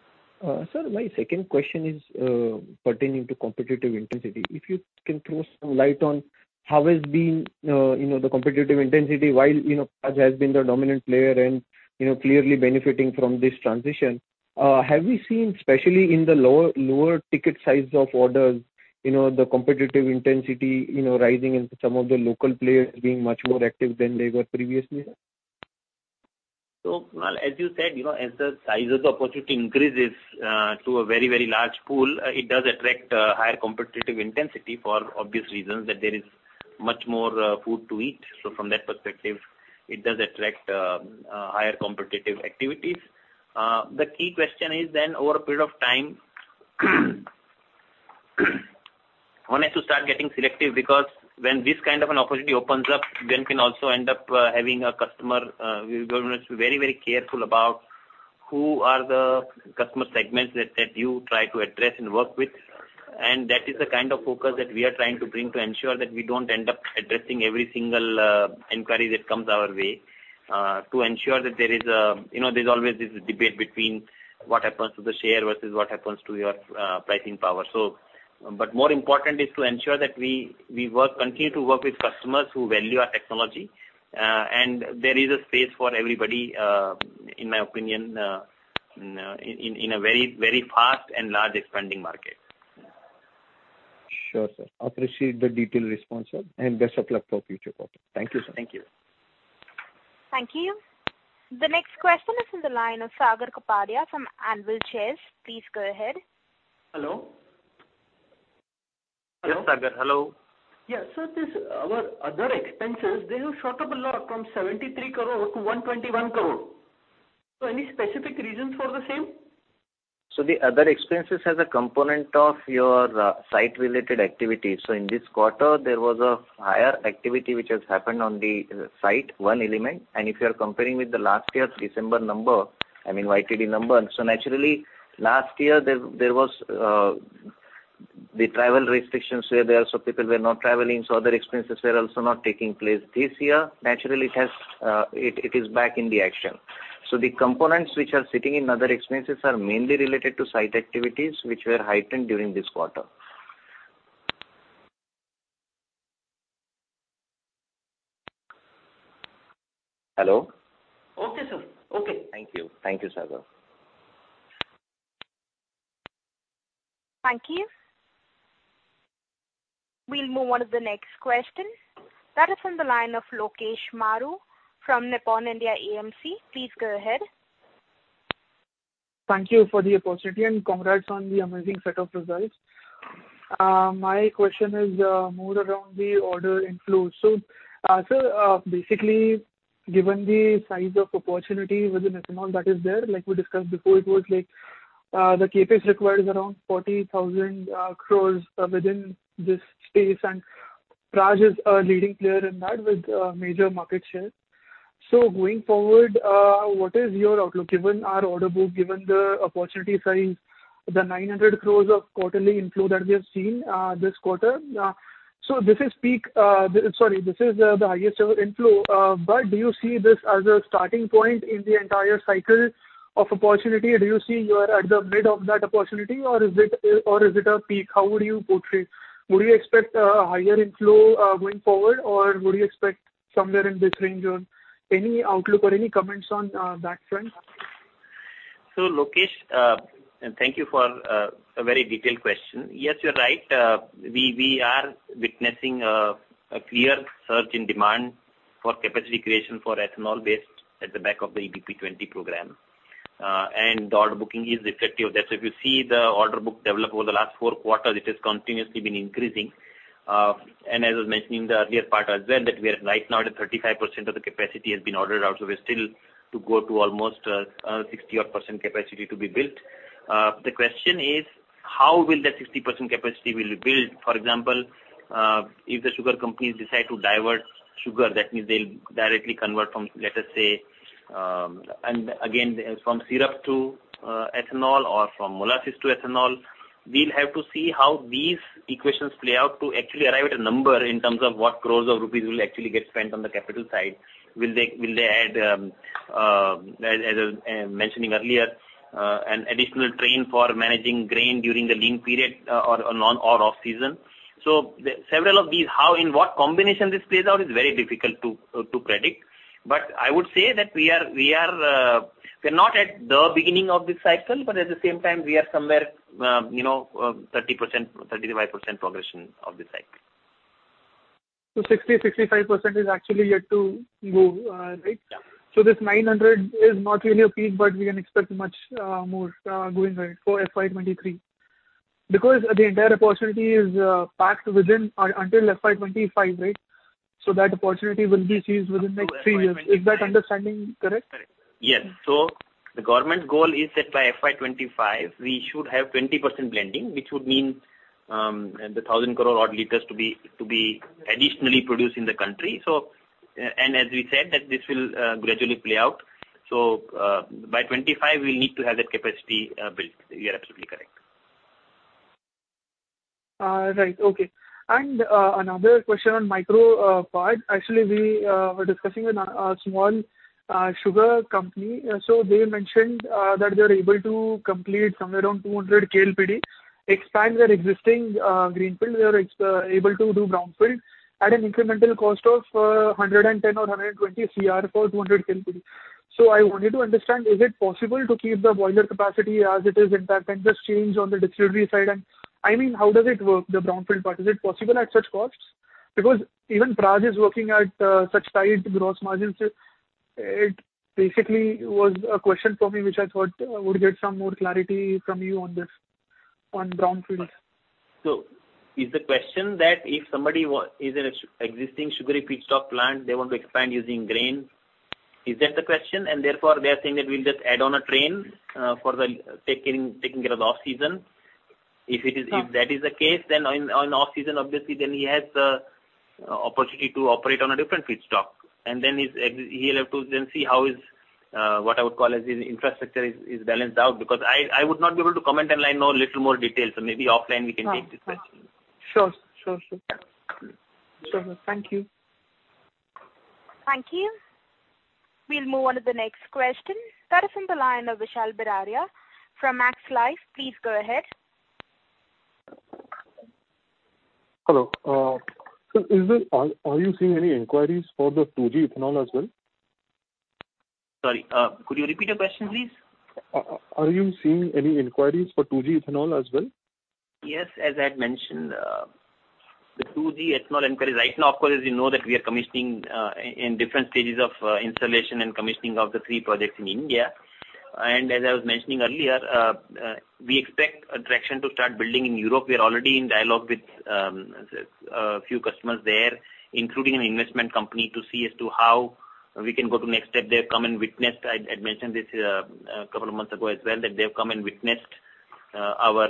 Sir, my second question is pertaining to competitive intensity. If you can throw some light on how has been, you know, the competitive intensity while, you know, Praj has been the dominant player and, you know, clearly benefiting from this transition. Have we seen, especially in the lower ticket sizes of orders, you know, the competitive intensity, you know, rising and some of the local players being much more active than they were previously, sir? Well, as you said, you know, as the size of the opportunity increases to a very, very large pool, it does attract higher competitive intensity for obvious reasons, that there is much more food to eat. From that perspective, it does attract higher competitive activities. The key question is then over a period of time, one has to start getting selective because when this kind of an opportunity opens up, one can also end up having a customer we're going to be very, very careful about who are the customer segments that you try to address and work with. That is the kind of focus that we are trying to bring to ensure that we don't end up addressing every single inquiry that comes our way to ensure that there is a You know, there's always this debate between what happens to the share versus what happens to your pricing power. But more important is to ensure that we continue to work with customers who value our technology. There is a space for everybody, in my opinion, in a very fast and large expanding market. Sure, sir. Appreciate the detailed response, sir, and best of luck for future quarter. Thank you, sir. Thank you. Thank you. The next question is on the line of Sagar Kapadia from Anvil Shares. Please go ahead. Hello? Yes, Sagar. Hello. Yeah. This, our other expenses, they have shot up a lot from 73 crore to 121 crore. Any specific reasons for the same? The other expenses has a component of our site-related activity. In this quarter, there was a higher activity which has happened on the site, one element. If you are comparing with the last year's December number, I mean YTD number, naturally last year there was the travel restrictions were there, so people were not traveling, so other expenses were also not taking place. This year, naturally it is back in the action. The components which are sitting in other expenses are mainly related to site activities which were heightened during this quarter. Hello? Okay, sir. Okay. Thank you. Thank you, Sagar. Thank you. We'll move on to the next question. That is on the line of Lokesh Maru from Nippon India AMC. Please go ahead. Thank you for the opportunity, and congrats on the amazing set of results. My question is more around the order inflow. Sir, basically, given the size of opportunity within ethanol that is there, like we discussed before, it was like the CapEx required is around 40,000 crores within this space, and Praj is a leading player in that with major market share. Going forward, what is your outlook given our order book, given the opportunity size, the 900 crores of quarterly inflow that we have seen this quarter. This is the highest ever inflow. Do you see this as a starting point in the entire cycle of opportunity? Do you see that you are at the midst of that opportunity or is it a peak? How would you portray it? Would you expect a higher inflow going forward, or would you expect somewhere in this range? Any outlook or any comments on that front? Lokesh, and thank you for a very detailed question. Yes, you're right. We are witnessing a clear surge in demand for capacity creation for ethanol based on the back of the E20 program. The order booking is reflective of that. If you see the order book develop over the last 4 quarters, it has continuously been increasing. As I was mentioning in the earlier part as well, that we are right now at 35% of the capacity has been ordered out. We're still to go to almost 60-odd% capacity to be built. The question is how will the 60% capacity be built? For example, if the sugar companies decide to divert sugar, that means they'll directly convert from, let us say, from syrup to ethanol or from molasses to ethanol. We'll have to see how these equations play out to actually arrive at a number in terms of what crores will actually get spent on the capital side. Will they add, as I mentioned earlier, an additional train for managing grain during the lean period, or non- or off-season? Several of these, how in what combination this plays out is very difficult to predict. I would say that we're not at the beginning of this cycle, but at the same time, we are somewhere, you know, 30%-35% progression of the site. 60%-65% is actually yet to go, right? Yeah. This 900 crores is not really a peak, but we can expect much more going ahead for FY 2023. Because the entire opportunity is packed until FY 2025, right? That opportunity will be seized within next three years. Is that understanding correct? Yes. The government goal is that by FY 2025 we should have 20% blending, which would mean the 1,000 crore odd liters to be additionally produced in the country. And as we said, that this will gradually play out. By 2025 we'll need to have that capacity built. You are absolutely correct. Another question on micro part. Actually we were discussing with a small sugar company. So they mentioned that they're able to complete somewhere around 200 KLPD, expand their existing greenfield. They're able to do brownfield at an incremental cost of 110 crore or 120 crore for 200 KLPD. So I wanted to understand, is it possible to keep the boiler capacity as it is intact and just change on the distillery side? I mean, how does it work, the brownfield part? Is it possible at such costs? Because even Praj is working at such tight gross margins. It basically was a question for me, which I thought I would get some more clarity from you on this, on brownfield. Is the question that if somebody wants an existing sugary feedstock plant, they want to expand using grain? Is that the question? Therefore they are saying that we'll just add on a train for taking care of the off-season. If it is, No. If that is the case, then on off-season obviously he has the opportunity to operate on a different feedstock. He'll have to then see how his what I would call as his infrastructure is balanced out. Because I would not be able to comment unless I know little more details. Maybe offline we can take this question. Sure. Thank you. Thank you. We'll move on to the next question. That is on the line of Vishal Biraia from Max Life. Please go ahead. Hello. Are you seeing any inquiries for the 2G ethanol as well? Sorry, could you repeat your question, please? Are you seeing any inquiries for 2G ethanol as well? Yes, as I had mentioned, the 2G ethanol inquiries. Right now, of course, as you know that we are commissioning in different stages of installation and commissioning of the three projects in India. As I was mentioning earlier, we expect traction to start building in Europe. We are already in dialogue with a few customers there, including an investment company to see as to how we can go to next step. They have come and witnessed. I had mentioned this a couple of months ago as well, that they have come and witnessed our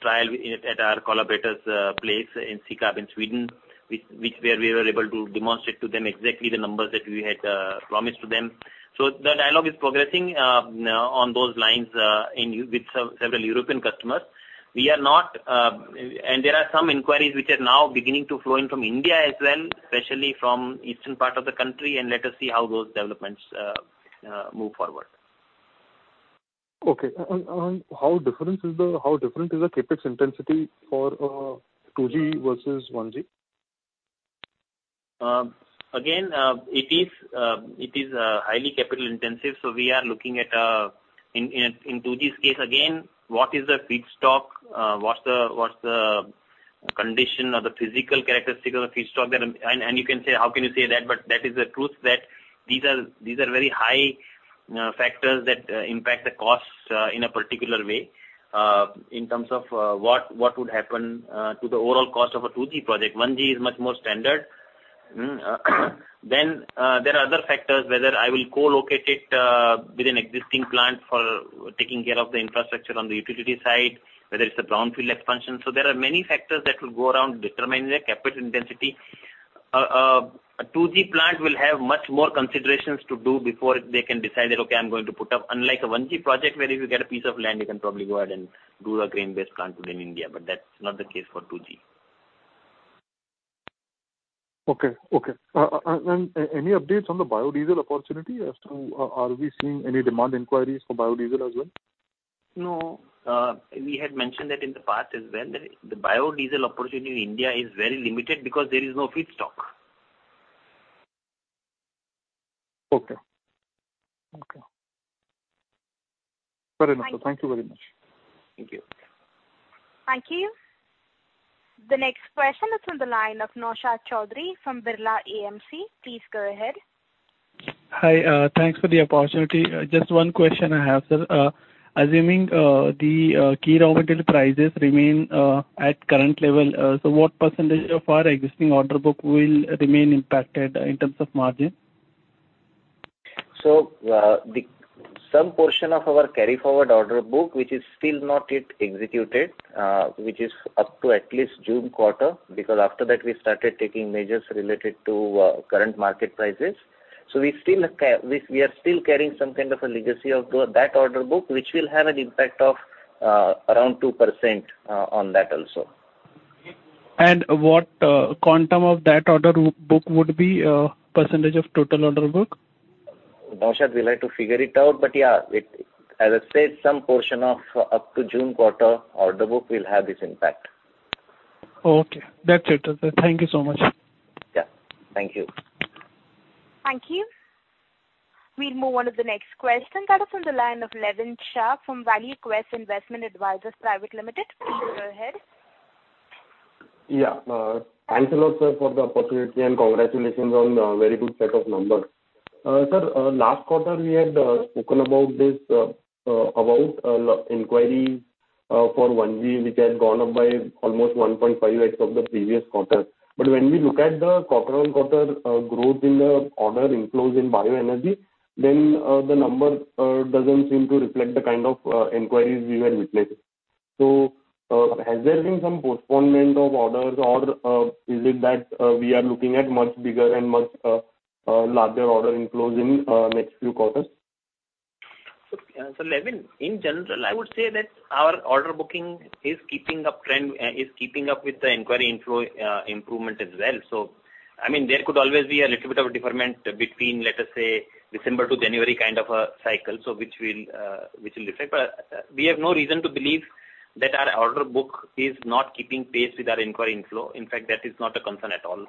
trial at our collaborator's place in Sekab in Sweden, where we were able to demonstrate to them exactly the numbers that we had promised to them. The dialogue is progressing on those lines with several European customers. There are some inquiries which are now beginning to flow in from India as well, especially from eastern part of the country, and let us see how those developments move forward. Okay, how different is the CapEx intensity for 2G versus 1G? Again, it is highly capital intensive. We are looking at, in 2G's case, again, what is the feedstock, what's the condition or the physical characteristic of the feedstock. You can say, "How can you say that?" That is the truth that these are very high factors that impact the costs in a particular way, in terms of what would happen to the overall cost of a 2G project. 1G is much more standard. There are other factors, whether I will co-locate it with an existing plant for taking care of the infrastructure on the utility side, whether it's a brownfield expansion. There are many factors that will go around determining the CapEx intensity. A 2G plant will have much more considerations to do before they can decide that, okay, I'm going to put up. Unlike a 1G project where if you get a piece of land, you can probably go ahead and do a grain-based plant in India, but that's not the case for 2G. Any updates on the biodiesel opportunity as to, are we seeing any demand inquiries for biodiesel as well? No, we had mentioned that in the past as well, that the biodiesel opportunity in India is very limited because there is no feedstock. Okay. Very well. Thank you very much. Thank you. Thank you. The next question is on the line of Naushad Chaudhary from Birla AMC. Please go ahead. Hi, thanks for the opportunity. Just one question I have, sir. Assuming the key raw material prices remain at current level, what percentage of our existing order book will remain impacted in terms of margin? Some portion of our carry forward order book, which is still not yet executed, which is up to at least June quarter, because after that we started taking measures related to current market prices. We are still carrying some kind of a legacy of that order book, which will have an impact of around 2% on that also. What quantum of that order book would be percentage of total order book? Naushad, we'll have to figure it out, but yeah, it. As I said, some portion of up to June quarter order book will have this impact. Okay. That's it. Thank you so much. Yeah. Thank you. Thank you. We'll move on to the next question. That is from the line of Levin Shah from ValueQuest Investment Advisors Private Limited. Please go ahead. Thanks a lot, sir, for the opportunity, and congratulations on the very good set of numbers. Sir, last quarter, we had spoken about inquiry for 1G, which had gone up by almost 1.5x of the previous quarter. When we look at the quarter-on-quarter growth in the order inflows in bioenergy, then the number doesn't seem to reflect the kind of inquiries we were witnessing. Has there been some postponement of orders or is it that we are looking at much bigger and much larger order inflows in next few quarters? Levin, in general, I would say that our order booking is keeping up with the inquiry inflow improvement as well. I mean, there could always be a little bit of a deferment between, let us say, December to January kind of a cycle, which will affect. We have no reason to believe that our order book is not keeping pace with our inquiry inflow. In fact, that is not a concern at all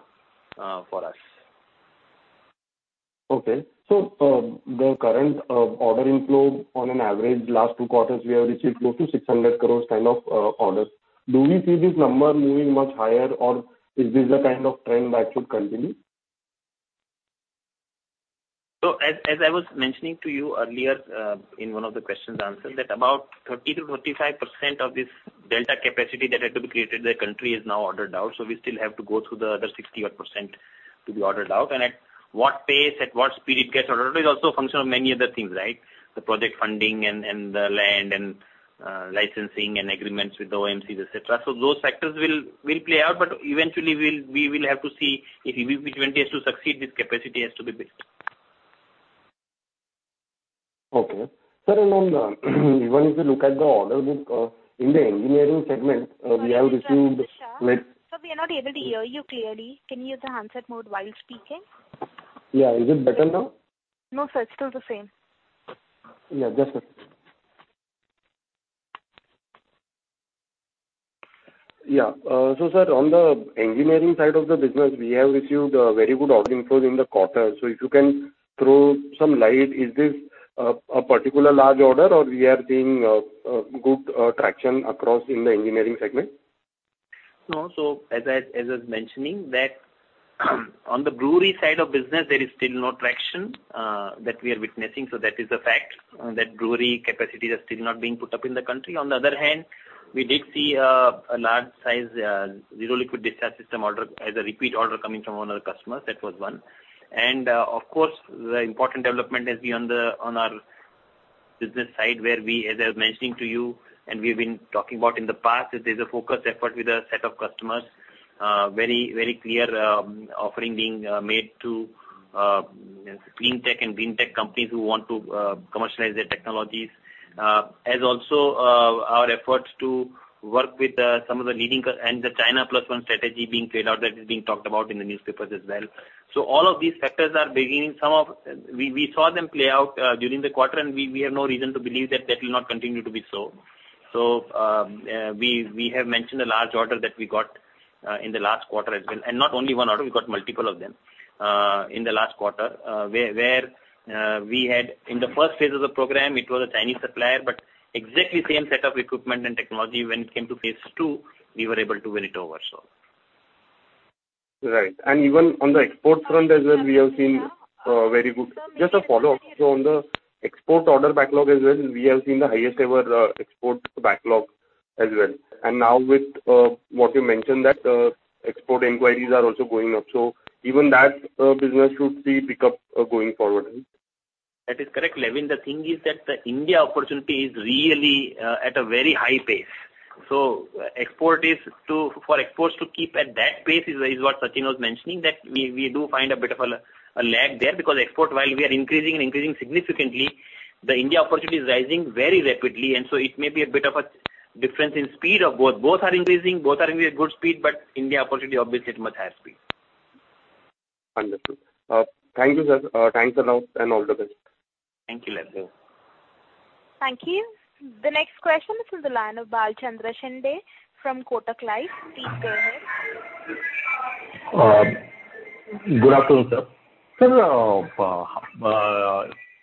for us. The current order inflow on an average last two quarters we have received close to 600 crores kind of orders. Do we see this number moving much higher, or is this the kind of trend that should continue? As I was mentioning to you earlier, in one of the questions answered, that about 30%-35% of this delta capacity that had to be created in the country is now ordered out, we still have to go through the other 60-odd% to be ordered out. At what pace, at what speed it gets ordered is also a function of many other things, right? The project funding and the land and licensing and agreements with the OMCs, etc. Those factors will play out, but eventually we will have to see if E20 has to succeed, this capacity has to be built. Okay. Sir, on the even if you look at the order book in the engineering segment, we have received with, Sir, we are not able to hear you clearly. Can you use the handset mode while speaking? Yeah. Is it better now? No, sir, it's still the same. Just a second. Sir, on the engineering side of the business, we have received a very good order inflows in the quarter. If you can throw some light, is this a particular large order or we are seeing good traction across in the engineering segment? No. As I was mentioning that on the brewery side of business, there is still no traction that we are witnessing, so that is a fact that brewery capacities are still not being put up in the country. On the other hand, we did see a large size zero liquid discharge system order as a repeat order coming from one of the customers. That was one. Of course, the important development has been on our business side, where we, as I was mentioning to you and we've been talking about in the past, that there's a focused effort with a set of customers, very clear offering being made to you know, clean tech and green tech companies who want to commercialize their technologies. As also our efforts to work with some of the leading and the China Plus One strategy being played out, that is being talked about in the newspapers as well. All of these factors are beginning. We saw them play out during the quarter and we have no reason to believe that will not continue to be so. We have mentioned a large order that we got in the last quarter as well. Not only one order, we got multiple of them in the last quarter. Where we had in the first phase of the program, it was a Chinese supplier, but exactly same set of equipment and technology when it came to phase two, we were able to win it over. Right. Even on the export front as well, we have seen very good. Just a follow-up. On the export order backlog as well, we have seen the highest ever export backlog as well. Now with what you mentioned that export inquiries are also going up, even that business should see pick up going forward? That is correct, Levin. The thing is that the India opportunity is really at a very high pace. Export is, for exports to keep at that pace is what Sachin was mentioning, that we do find a bit of a lag there because export, while we are increasing significantly, the India opportunity is rising very rapidly. It may be a bit of a difference in speed of both. Both are increasing at good speed, but India opportunity, obviously at much higher speed. Understood. Thank you, sir. Thanks a lot and all the best. Thank you, Levin. Thank you. The next question is from the line of Balachandra Shinde from Kotak Life. Please go ahead. Good afternoon, sir. Sir,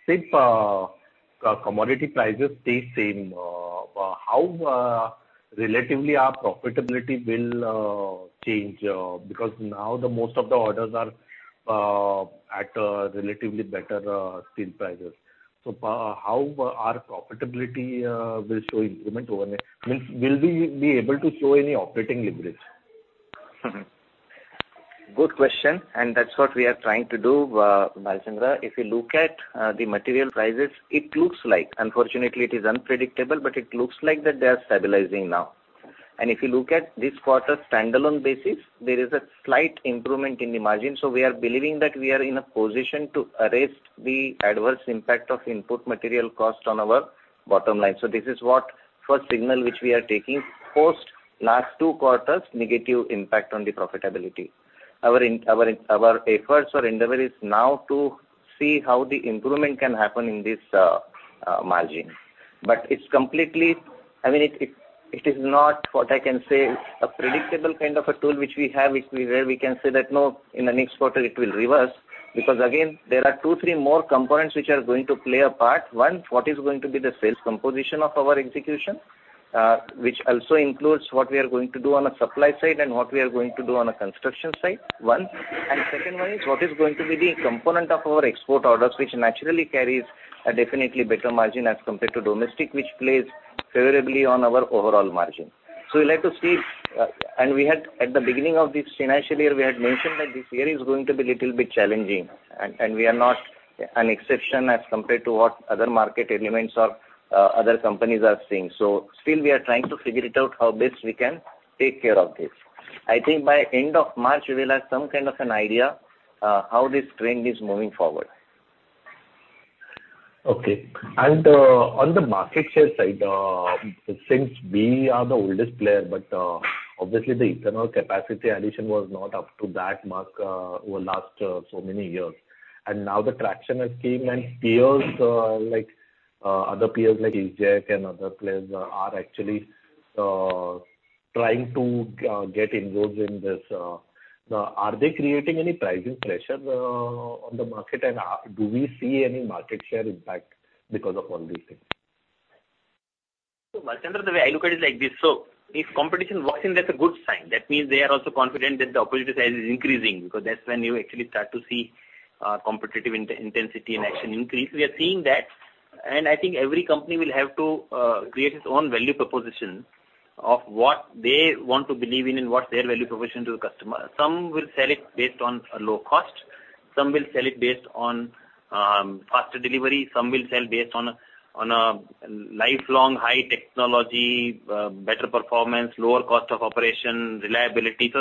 if commodity prices stay same, how relatively our profitability will change? Because now the most of the orders are at a relatively better steel prices. How our profitability will show improvement over there? Means will we be able to show any operating leverage? Good question, that's what we are trying to do, Balachandra. If you look at the material prices, it looks like unfortunately it is unpredictable, but it looks like that they are stabilizing now. If you look at this quarter standalone basis, there is a slight improvement in the margin. We are believing that we are in a position to arrest the adverse impact of input material cost on our bottom line. This is what first signal which we are taking post last two quarters negative impact on the profitability. Our efforts or endeavor is now to see how the improvement can happen in this margin. I mean, it is not what I can say, a predictable kind of a tool which we have, where we can say that, "No, in the next quarter it will reverse." Because again, there are two, three more components which are going to play a part. One, what is going to be the sales composition of our execution, which also includes what we are going to do on a supply side and what we are going to do on a construction side, one. Second one is what is going to be the component of our export orders, which naturally carries a definitely better margin as compared to domestic, which plays favorably on our overall margin. We'll have to see. We had, at the beginning of this financial year, we had mentioned that this year is going to be little bit challenging and we are not an exception as compared to what other market elements or other companies are seeing. Still we are trying to figure it out how best we can take care of this. I think by end of March we will have some kind of an idea how this trend is moving forward. Okay. On the market share side, since we are the oldest player, but obviously the internal capacity addition was not up to that mark, over last so many years. Now the traction has came and peers like other peers like Isgec and other players are actually trying to get involved in this. Are they creating any pricing pressure on the market and do we see any market share impact because of all these things? Balachandra, the way I look at it is like this. If competition walks in, that's a good sign. That means they are also confident that the opportunity size is increasing, because that's when you actually start to see competitive intensity and action increase. We are seeing that, and I think every company will have to create its own value proposition of what they want to believe in and what's their value proposition to the customer. Some will sell it based on a low cost, some will sell it based on faster delivery, some will sell based on a lifelong high technology, better performance, lower cost of operation, reliability.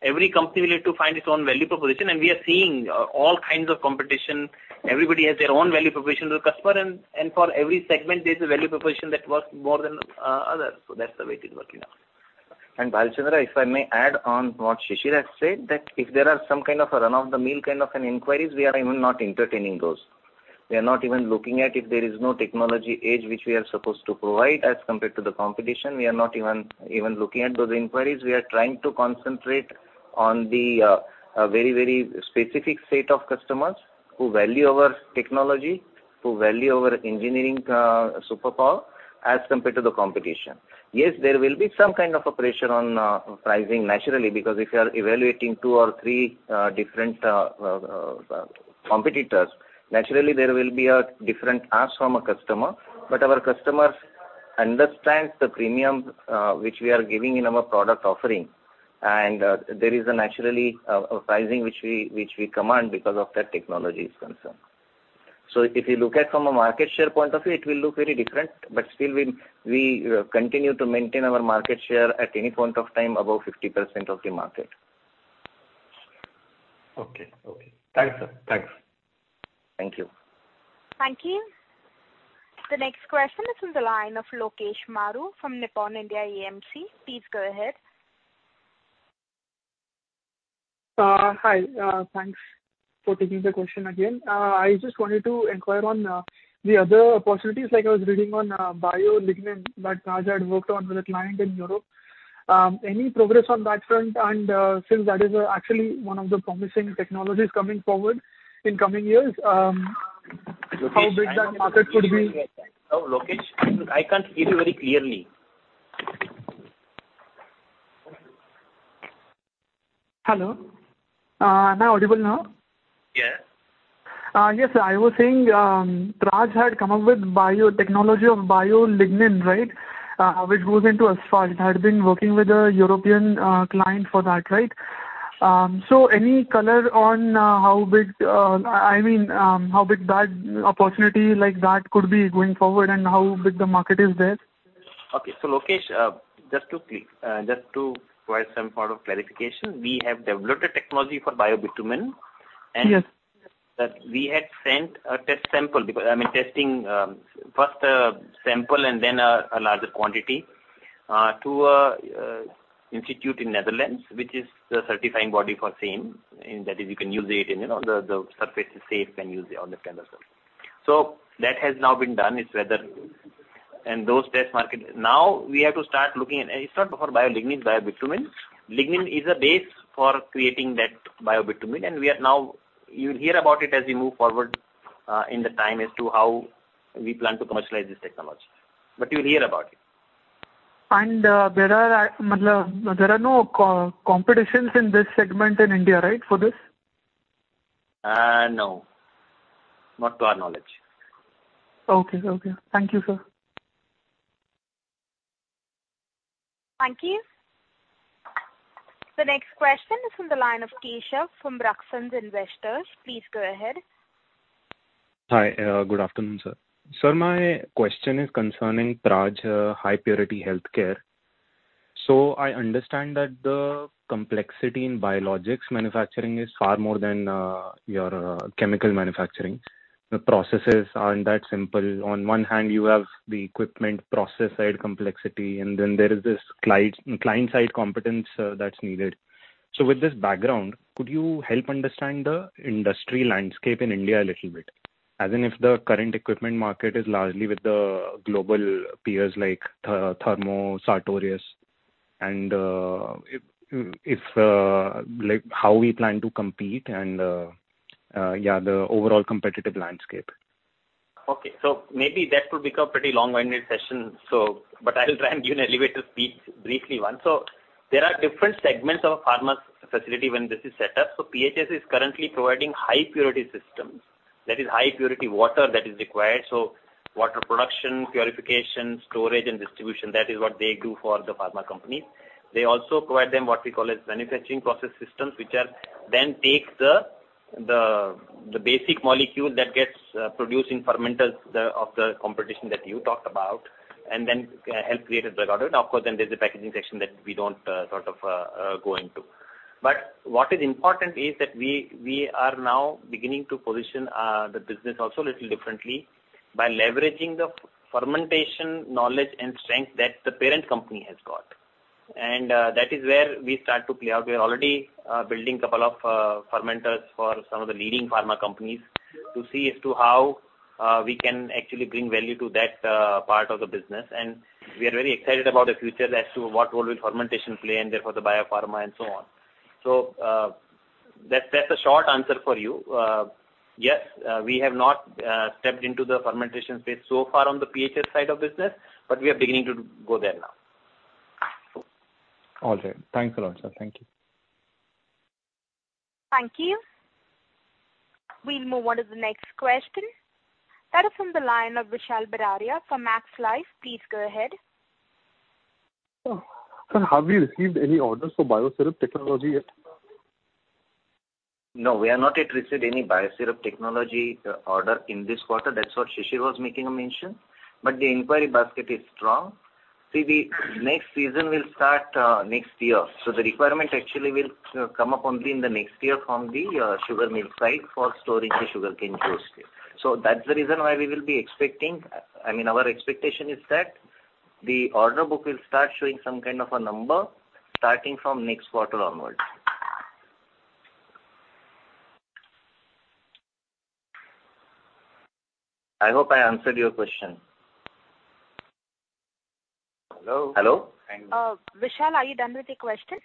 Every company will have to find its own value proposition, and we are seeing all kinds of competition. Everybody has their own value proposition to the customer, and for every segment there's a value proposition that works more than others. So that's the way it is working out. Balachandra, if I may add on what Shishir has said, that if there are some kind of a run-of-the-mill kind of inquiries, we are even not entertaining those. We are not even looking at if there is no technology edge which we are supposed to provide as compared to the competition. We are not even looking at those inquiries. We are trying to concentrate on a very, very specific set of customers who value our technology, who value our engineering superpower as compared to the competition. Yes, there will be some kind of a pressure on pricing naturally, because if you are evaluating two or three different competitors, naturally there will be a different ask from a customer. But our customers understand the premium which we are giving in our product offering. There is a naturally pricing which we command because of that technology is concerned. If you look at from a market share point of view, it will look very different, but still we continue to maintain our market share at any point of time above 50% of the market. Okay. Thanks, sir. Thank you. Thank you. The next question is from the line of Lokesh Maru from Nippon India AMC. Please go ahead. Hi. Thanks for taking the question again. I just wanted to inquire on the other possibilities, like I was reading on Bio-Lignin that Praj had worked on with a client in Europe. Any progress on that front? Since that is actually one of the promising technologies coming forward in coming years, how big that market could be? Lokesh, I hope you can hear me right. Hello, Lokesh, I can't hear you very clearly. Hello. Am I audible now? Yes. Yes. I was saying, Praj had come up with biotechnology of Bio-Lignin, right? Which goes into asphalt, had been working with a European client for that, right? So any color on how big, I mean, how big that opportunity like that could be going forward and how big the market is there? Okay. Lokesh, just to provide some sort of clarification, we have developed a technology for Bio-Bitumen. Yes. We had sent a test sample because, I mean, testing first sample and then a larger quantity to an institute in the Netherlands, which is the certifying body for same, and that is, you can use it in, you know, the surface is safe, you can use it on the kind of surface. That has now been done. It's for weather and those test markets. Now we have to start looking at. It's not for lignin, it's Bio-Bitumen. Lignin is a base for creating that Bio-Bitumen, and we are now. You'll hear about it as we move forward in time as to how we plan to commercialize this technology. You'll hear about it. There are no competition in this segment in India, right, for this? No. Not to our knowledge. Okay. Okay. Thank you, sir. Thank you. The next question is from the line of Keshav from Raksans Investors. Please go ahead. Hi. Good afternoon, sir. Sir, my question is concerning Praj, high purity healthcare. I understand that the complexity in biologics manufacturing is far more than your chemical manufacturing. The processes aren't that simple. On one hand you have the equipment process side complexity, and then there is this client-side competence that's needed. With this background, could you help understand the industry landscape in India a little bit? As in if the current equipment market is largely with the global peers like Thermo, Sartorius, and like how we plan to compete and yeah, the overall competitive landscape? Okay. Maybe that could become pretty long-winded session, but I'll try and give an elevator speech, briefly one. There are different segments of a pharma facility when this is set up. PHS is currently providing high purity systems. That is high purity water that is required. Water production, purification, storage, and distribution, that is what they do for the pharma companies. They also provide them what we call as manufacturing process systems, which then take the basic molecule that gets produced in fermenters of the competition that you talked about, and then help create a drug out of it. Of course, then there's a packaging section that we don't sort of go into. What is important is that we are now beginning to position the business also a little differently by leveraging the fermentation knowledge and strength that the parent company has got. That is where we start to play out. We're already building couple of fermenters for some of the leading pharma companies to see as to how we can actually bring value to that part of the business. We are very excited about the future as to what role will fermentation play and therefore the biopharma and so on. That's the short answer for you. We have not stepped into the fermentation space so far on the PHS side of business, but we are beginning to go there now. All right. Thanks a lot, sir. Thank you. Thank you. We'll move on to the next question. That is from the line of Vishal Biraia from Max Life. Please go ahead. Sir, have you received any orders for BIOSYRUP technology yet? No, we have not yet received any BIOSYRUP technology order in this quarter. That's what Shishir was making a mention. The inquiry basket is strong. See, the next season will start next year, so the requirement actually will come up only in the next year from the sugar mill side for storage of sugarcane juice. That's the reason why we will be expecting. I mean, our expectation is that the order book will start showing some kind of a number starting from next quarter onwards. I hope I answered your question. (crosstalk) Vishal, are you done with your question?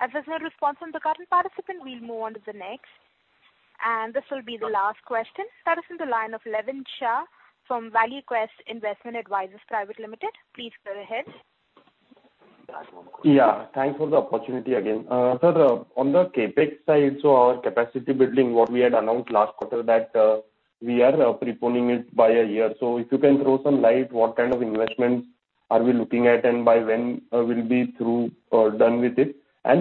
As there's no response from the current participant, we'll move on to the next. This will be the last question. That is from the line of Levin Shah from ValueQuest Investment Advisors Private Limited. Please go ahead. Yeah. Thanks for the opportunity again. Sir, on the CapEx side, so our capacity building, what we had announced last quarter that we are preponing it by a year. If you can throw some light, what kind of investments are we looking at and by when we'll be through or done with it?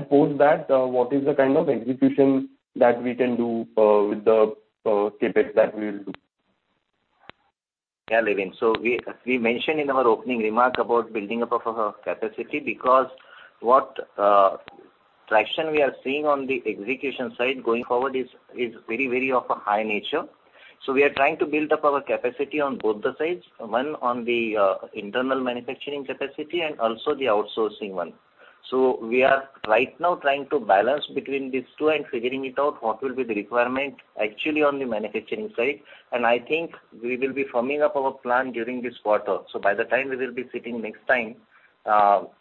Post that, what is the kind of execution that we can do with the CapEx that we'll do? Yeah, Levin. We mentioned in our opening remarks about building up of our capacity because what traction we are seeing on the execution side going forward is very, very of a high nature. We are trying to build up our capacity on both the sides, one on the internal manufacturing capacity and also the outsourcing one. We are right now trying to balance between these two and figuring it out what will be the requirement actually on the manufacturing side. I think we will be firming up our plan during this quarter. By the time we will be sitting next time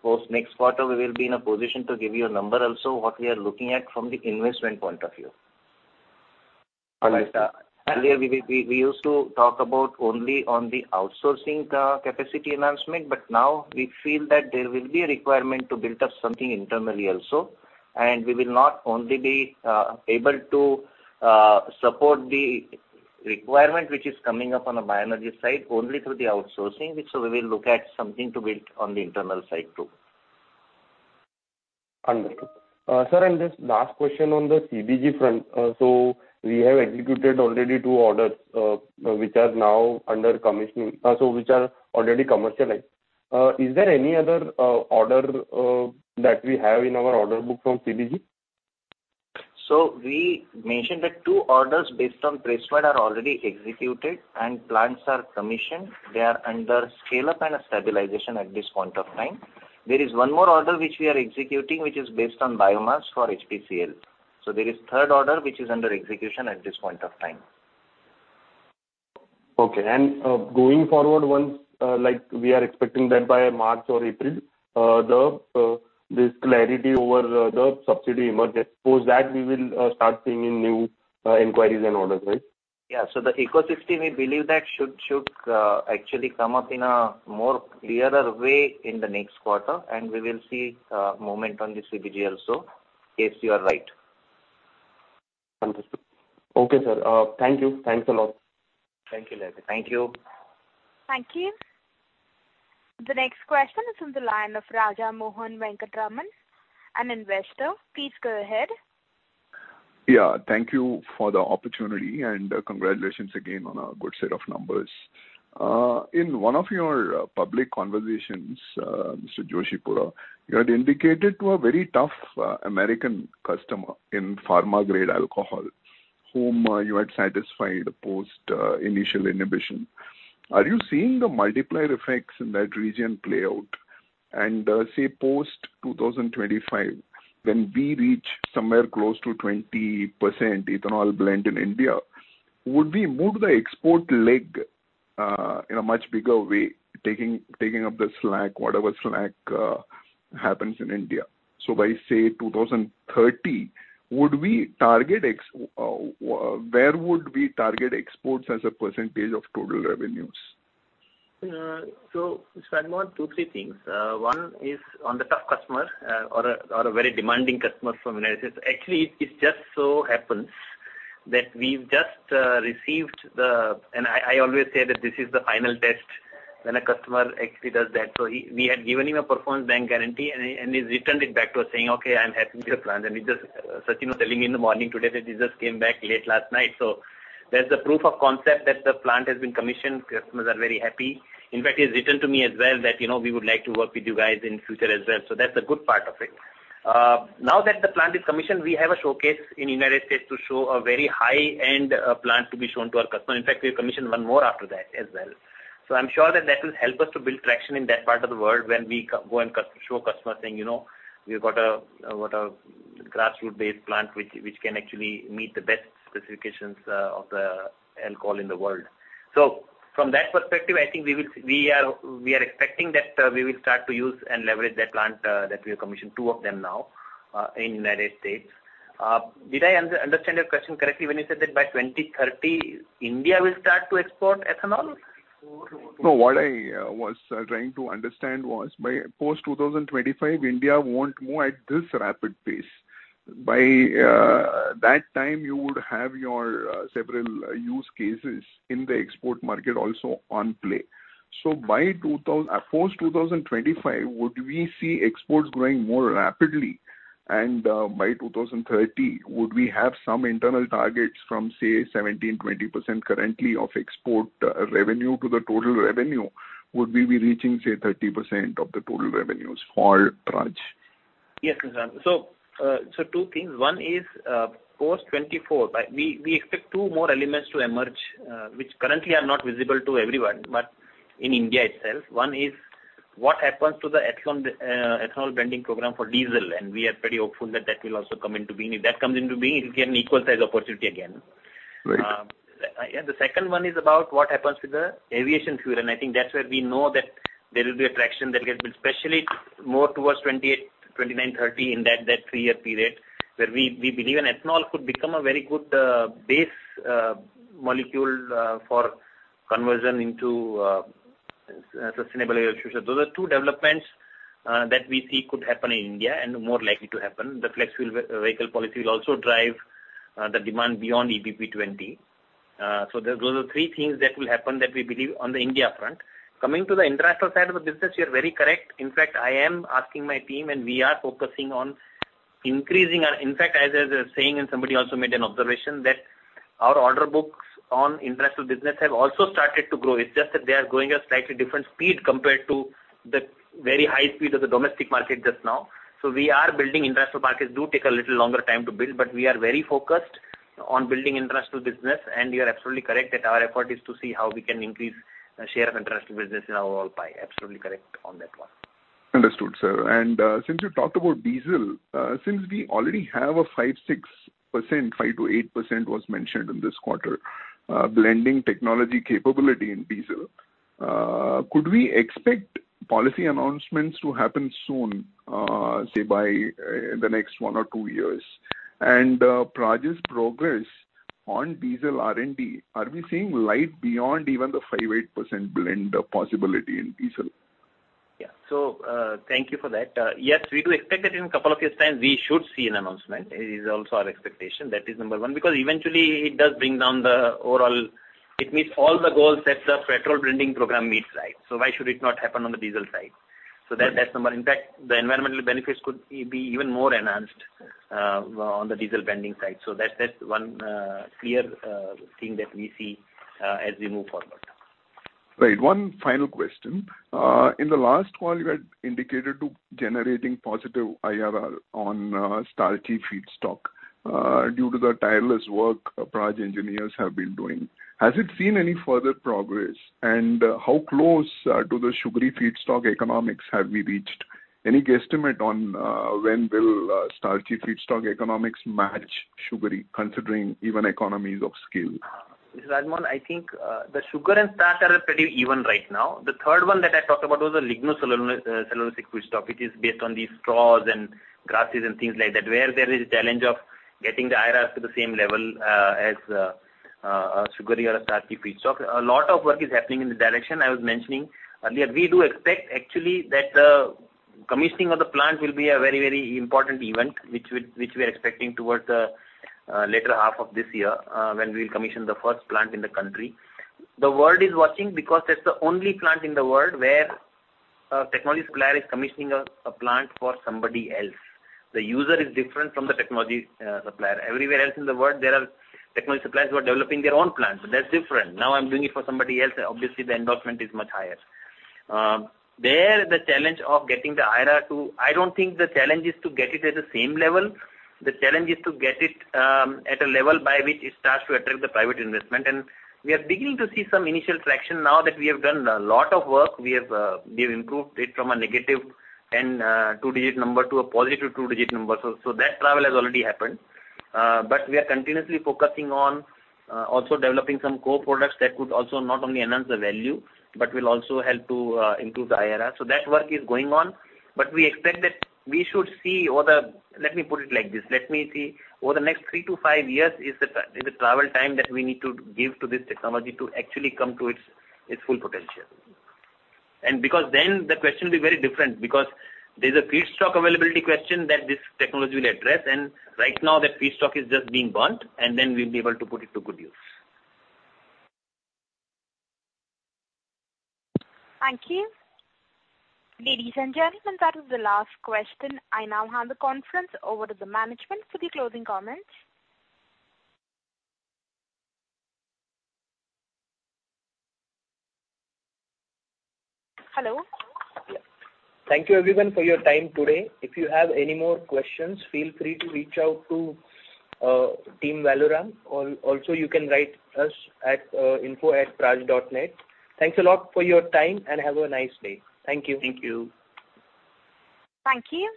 post next quarter, we will be in a position to give you a number also what we are looking at from the investment point of view. Understood. Earlier we used to talk about only on the outsourcing, capacity enhancement, but now we feel that there will be a requirement to build up something internally also. We will not only be able to support the requirement which is coming up on the bioenergy side only through the outsourcing. We will look at something to build on the internal side too. Understood. Sir, just last question on the CBG front. We have executed already two orders, which are now under commissioning, which are already commercialized. Is there any other order that we have in our order book from CBG? We mentioned that two orders based on press mud are already executed and plants are commissioned. They are under scale-up and stabilization at this point of time. There is one more order which we are executing, which is based on biomass for HPCL. There is third order which is under execution at this point of time. Okay. Going forward once like we are expecting that by March or April the this clarity over the subsidy emerges. Post that, we will start seeing in new inquiries and orders, right? Yeah. The ecosystem, we believe that should actually come up in a more clearer way in the next quarter, and we will see movement on the CBG also. Yes, you are right. Understood. Okay, sir. Thank you. Thanks a lot. Thank you, Levin. Thank you. Thank you. The next question is from the line of Raja Mohan Venkataraman, an investor. Please go ahead. Yeah. Thank you for the opportunity, and congratulations again on a good set of numbers. In one of your public conversations, Mr. Joshipura, you had indicated to a very tough American customer in pharma grade alcohol, whom you had satisfied post initial inhibition. Are you seeing the multiplier effects in that region play out? Say post 2025, when we reach somewhere close to 20% ethanol blend in India, would we move the export leg in a much bigger way, taking up the slack, whatever slack happens in India? By, say, 2030, where would we target exports as a percentage of total revenues? Raja Mohan, two, three things. One is on the tough customer, or a very demanding customer from United States. Actually, it just so happens that we've just received the. I always say that this is the final test when a customer actually does that. He, we had given him a performance bank guarantee and he and he's returned it back to us saying, okay, I'm happy with your plant. It just. Sachin Raole was telling me in the morning today that this just came back late last night. That's the proof of concept that the plant has been commissioned. Customers are very happy. In fact, he's written to me as well that, you know, we would like to work with you guys in future as well. That's the good part of it. Now that the plant is commissioned, we have a showcase in United States to show a very high-end plant to be shown to our customer. In fact, we've commissioned one more after that as well. I'm sure that will help us to build traction in that part of the world when we go and show customers saying, you know, "We've got a grassroots-based plant which can actually meet the best specifications of the alcohol in the world." From that perspective, I think we are expecting that we will start to use and leverage that plant that we have commissioned two of them now in United States. Did I understand your question correctly when you said that by 2030, India will start to export ethanol? No, what I was trying to understand was by post-2025, India won't move at this rapid pace. By that time you would have your several use cases in the export market also on play. By post-2025, would we see exports growing more rapidly? By 2030, would we have some internal targets from, say, 17%-20% currently of export revenue to the total revenue? Would we be reaching, say, 30% of the total revenues for Praj? Yes, Raja Mohan. Two things. One is post 2024, we expect two more elements to emerge, which currently are not visible to everyone, but in India itself. One is what happens to the ethanol blending program for diesel, and we are pretty hopeful that that will come into being. If that comes into being, it'll give an equal size opportunity again. Right. The second one is about what happens with the aviation fuel, and I think that's where we know that there will be a traction that will build, especially more towards 2028, 2029, 2030, in that three-year period, where we believe an ethanol could become a very good base molecule for conversion into sustainable aviation fuel. Those are two developments that we see could happen in India and more likely to happen. The flex fuel vehicle policy will also drive the demand beyond EBP 20. Those are three things that will happen that we believe on the India front. Coming to the international side of the business, you're very correct. In fact, I am asking my team and we are focusing on increasing our, in fact, as I was saying, and somebody also made an observation, that our order books on international business have also started to grow. It's just that they are growing at a slightly different speed compared to the very high speed of the domestic market just now. We are building international markets, do take a little longer time to build, but we are very focused on building international business, and you are absolutely correct that our effort is to see how we can increase the share of international business in our overall pie. Absolutely correct on that one. Understood, sir. Since you talked about diesel, since we already have a 5%-6%, 5%-8% was mentioned in this quarter, blending technology capability in diesel, could we expect policy announcements to happen soon, say by the next 1 or 2 years? Praj's progress on diesel R&D, are we seeing light beyond even the 5%-8% blend possibility in diesel? Yeah. Thank you for that. Yes, we do expect that in a couple of years' time we should see an announcement. It is also our expectation. That is number one, because eventually it does bring down the overall. It meets all the goals that the petrol blending program meets, right? Why should it not happen on the diesel side? In fact, the environmental benefits could be even more enhanced on the diesel blending side. That's one clear thing that we see as we move forward. Right. One final question. In the last call, you had indicated to generating positive IRR on starchy feedstock due to the tireless work Praj engineers have been doing. Has it seen any further progress? How close to the sugary feedstock economics have we reached? Any guesstimate on when will starchy feedstock economics match sugary, considering even economies of scale? Mr. Raja Mohan, I think the sugar and starch are pretty even right now. The third one that I talked about was a lignocellulosic feedstock, which is based on these straws and grasses and things like that, where there is a challenge of getting the IRRs to the same level as a sugary or a starchy feedstock. A lot of work is happening in the direction I was mentioning earlier. We do expect actually that commissioning of the plant will be a very, very important event, which we are expecting towards latter half of this year, when we'll commission the first plant in the country. The world is watching because that's the only plant in the world where a technology supplier is commissioning a plant for somebody else. The user is different from the technology supplier. Everywhere else in the world, there are technology suppliers who are developing their own plants, but that's different. Now I'm doing it for somebody else, obviously the endorsement is much higher. There, the challenge of getting the IRR. I don't think the challenge is to get it at the same level. The challenge is to get it at a level by which it starts to attract the private investment. We are beginning to see some initial traction now that we have done a lot of work. We have improved it from a negative two-digit number to a positive two-digit number. That travel has already happened. We are continuously focusing on also developing some co-products that could also not only enhance the value but will also help to improve the IRR. That work is going on. We expect that we should see over the next 3-5 years is the travel time that we need to give to this technology to actually come to its full potential. Because then the question will be very different, because there's a feedstock availability question that this technology will address, and right now that feedstock is just being burned, and then we'll be able to put it to good use. Thank you. Ladies and gentlemen, that is the last question. I now hand the conference over to the management for the closing comments. Hello? Yeah. Thank you everyone for your time today. If you have any more questions, feel free to reach out to Team Valorem. Also, you can write us at info@praj.net. Thanks a lot for your time, and have a nice day. Thank you. Thank you. Thank you.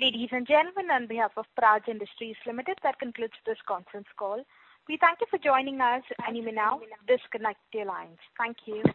Ladies and gentlemen, on behalf of Praj Industries Limited, that concludes this conference call. We thank you for joining us. You may now disconnect your lines. Thank you.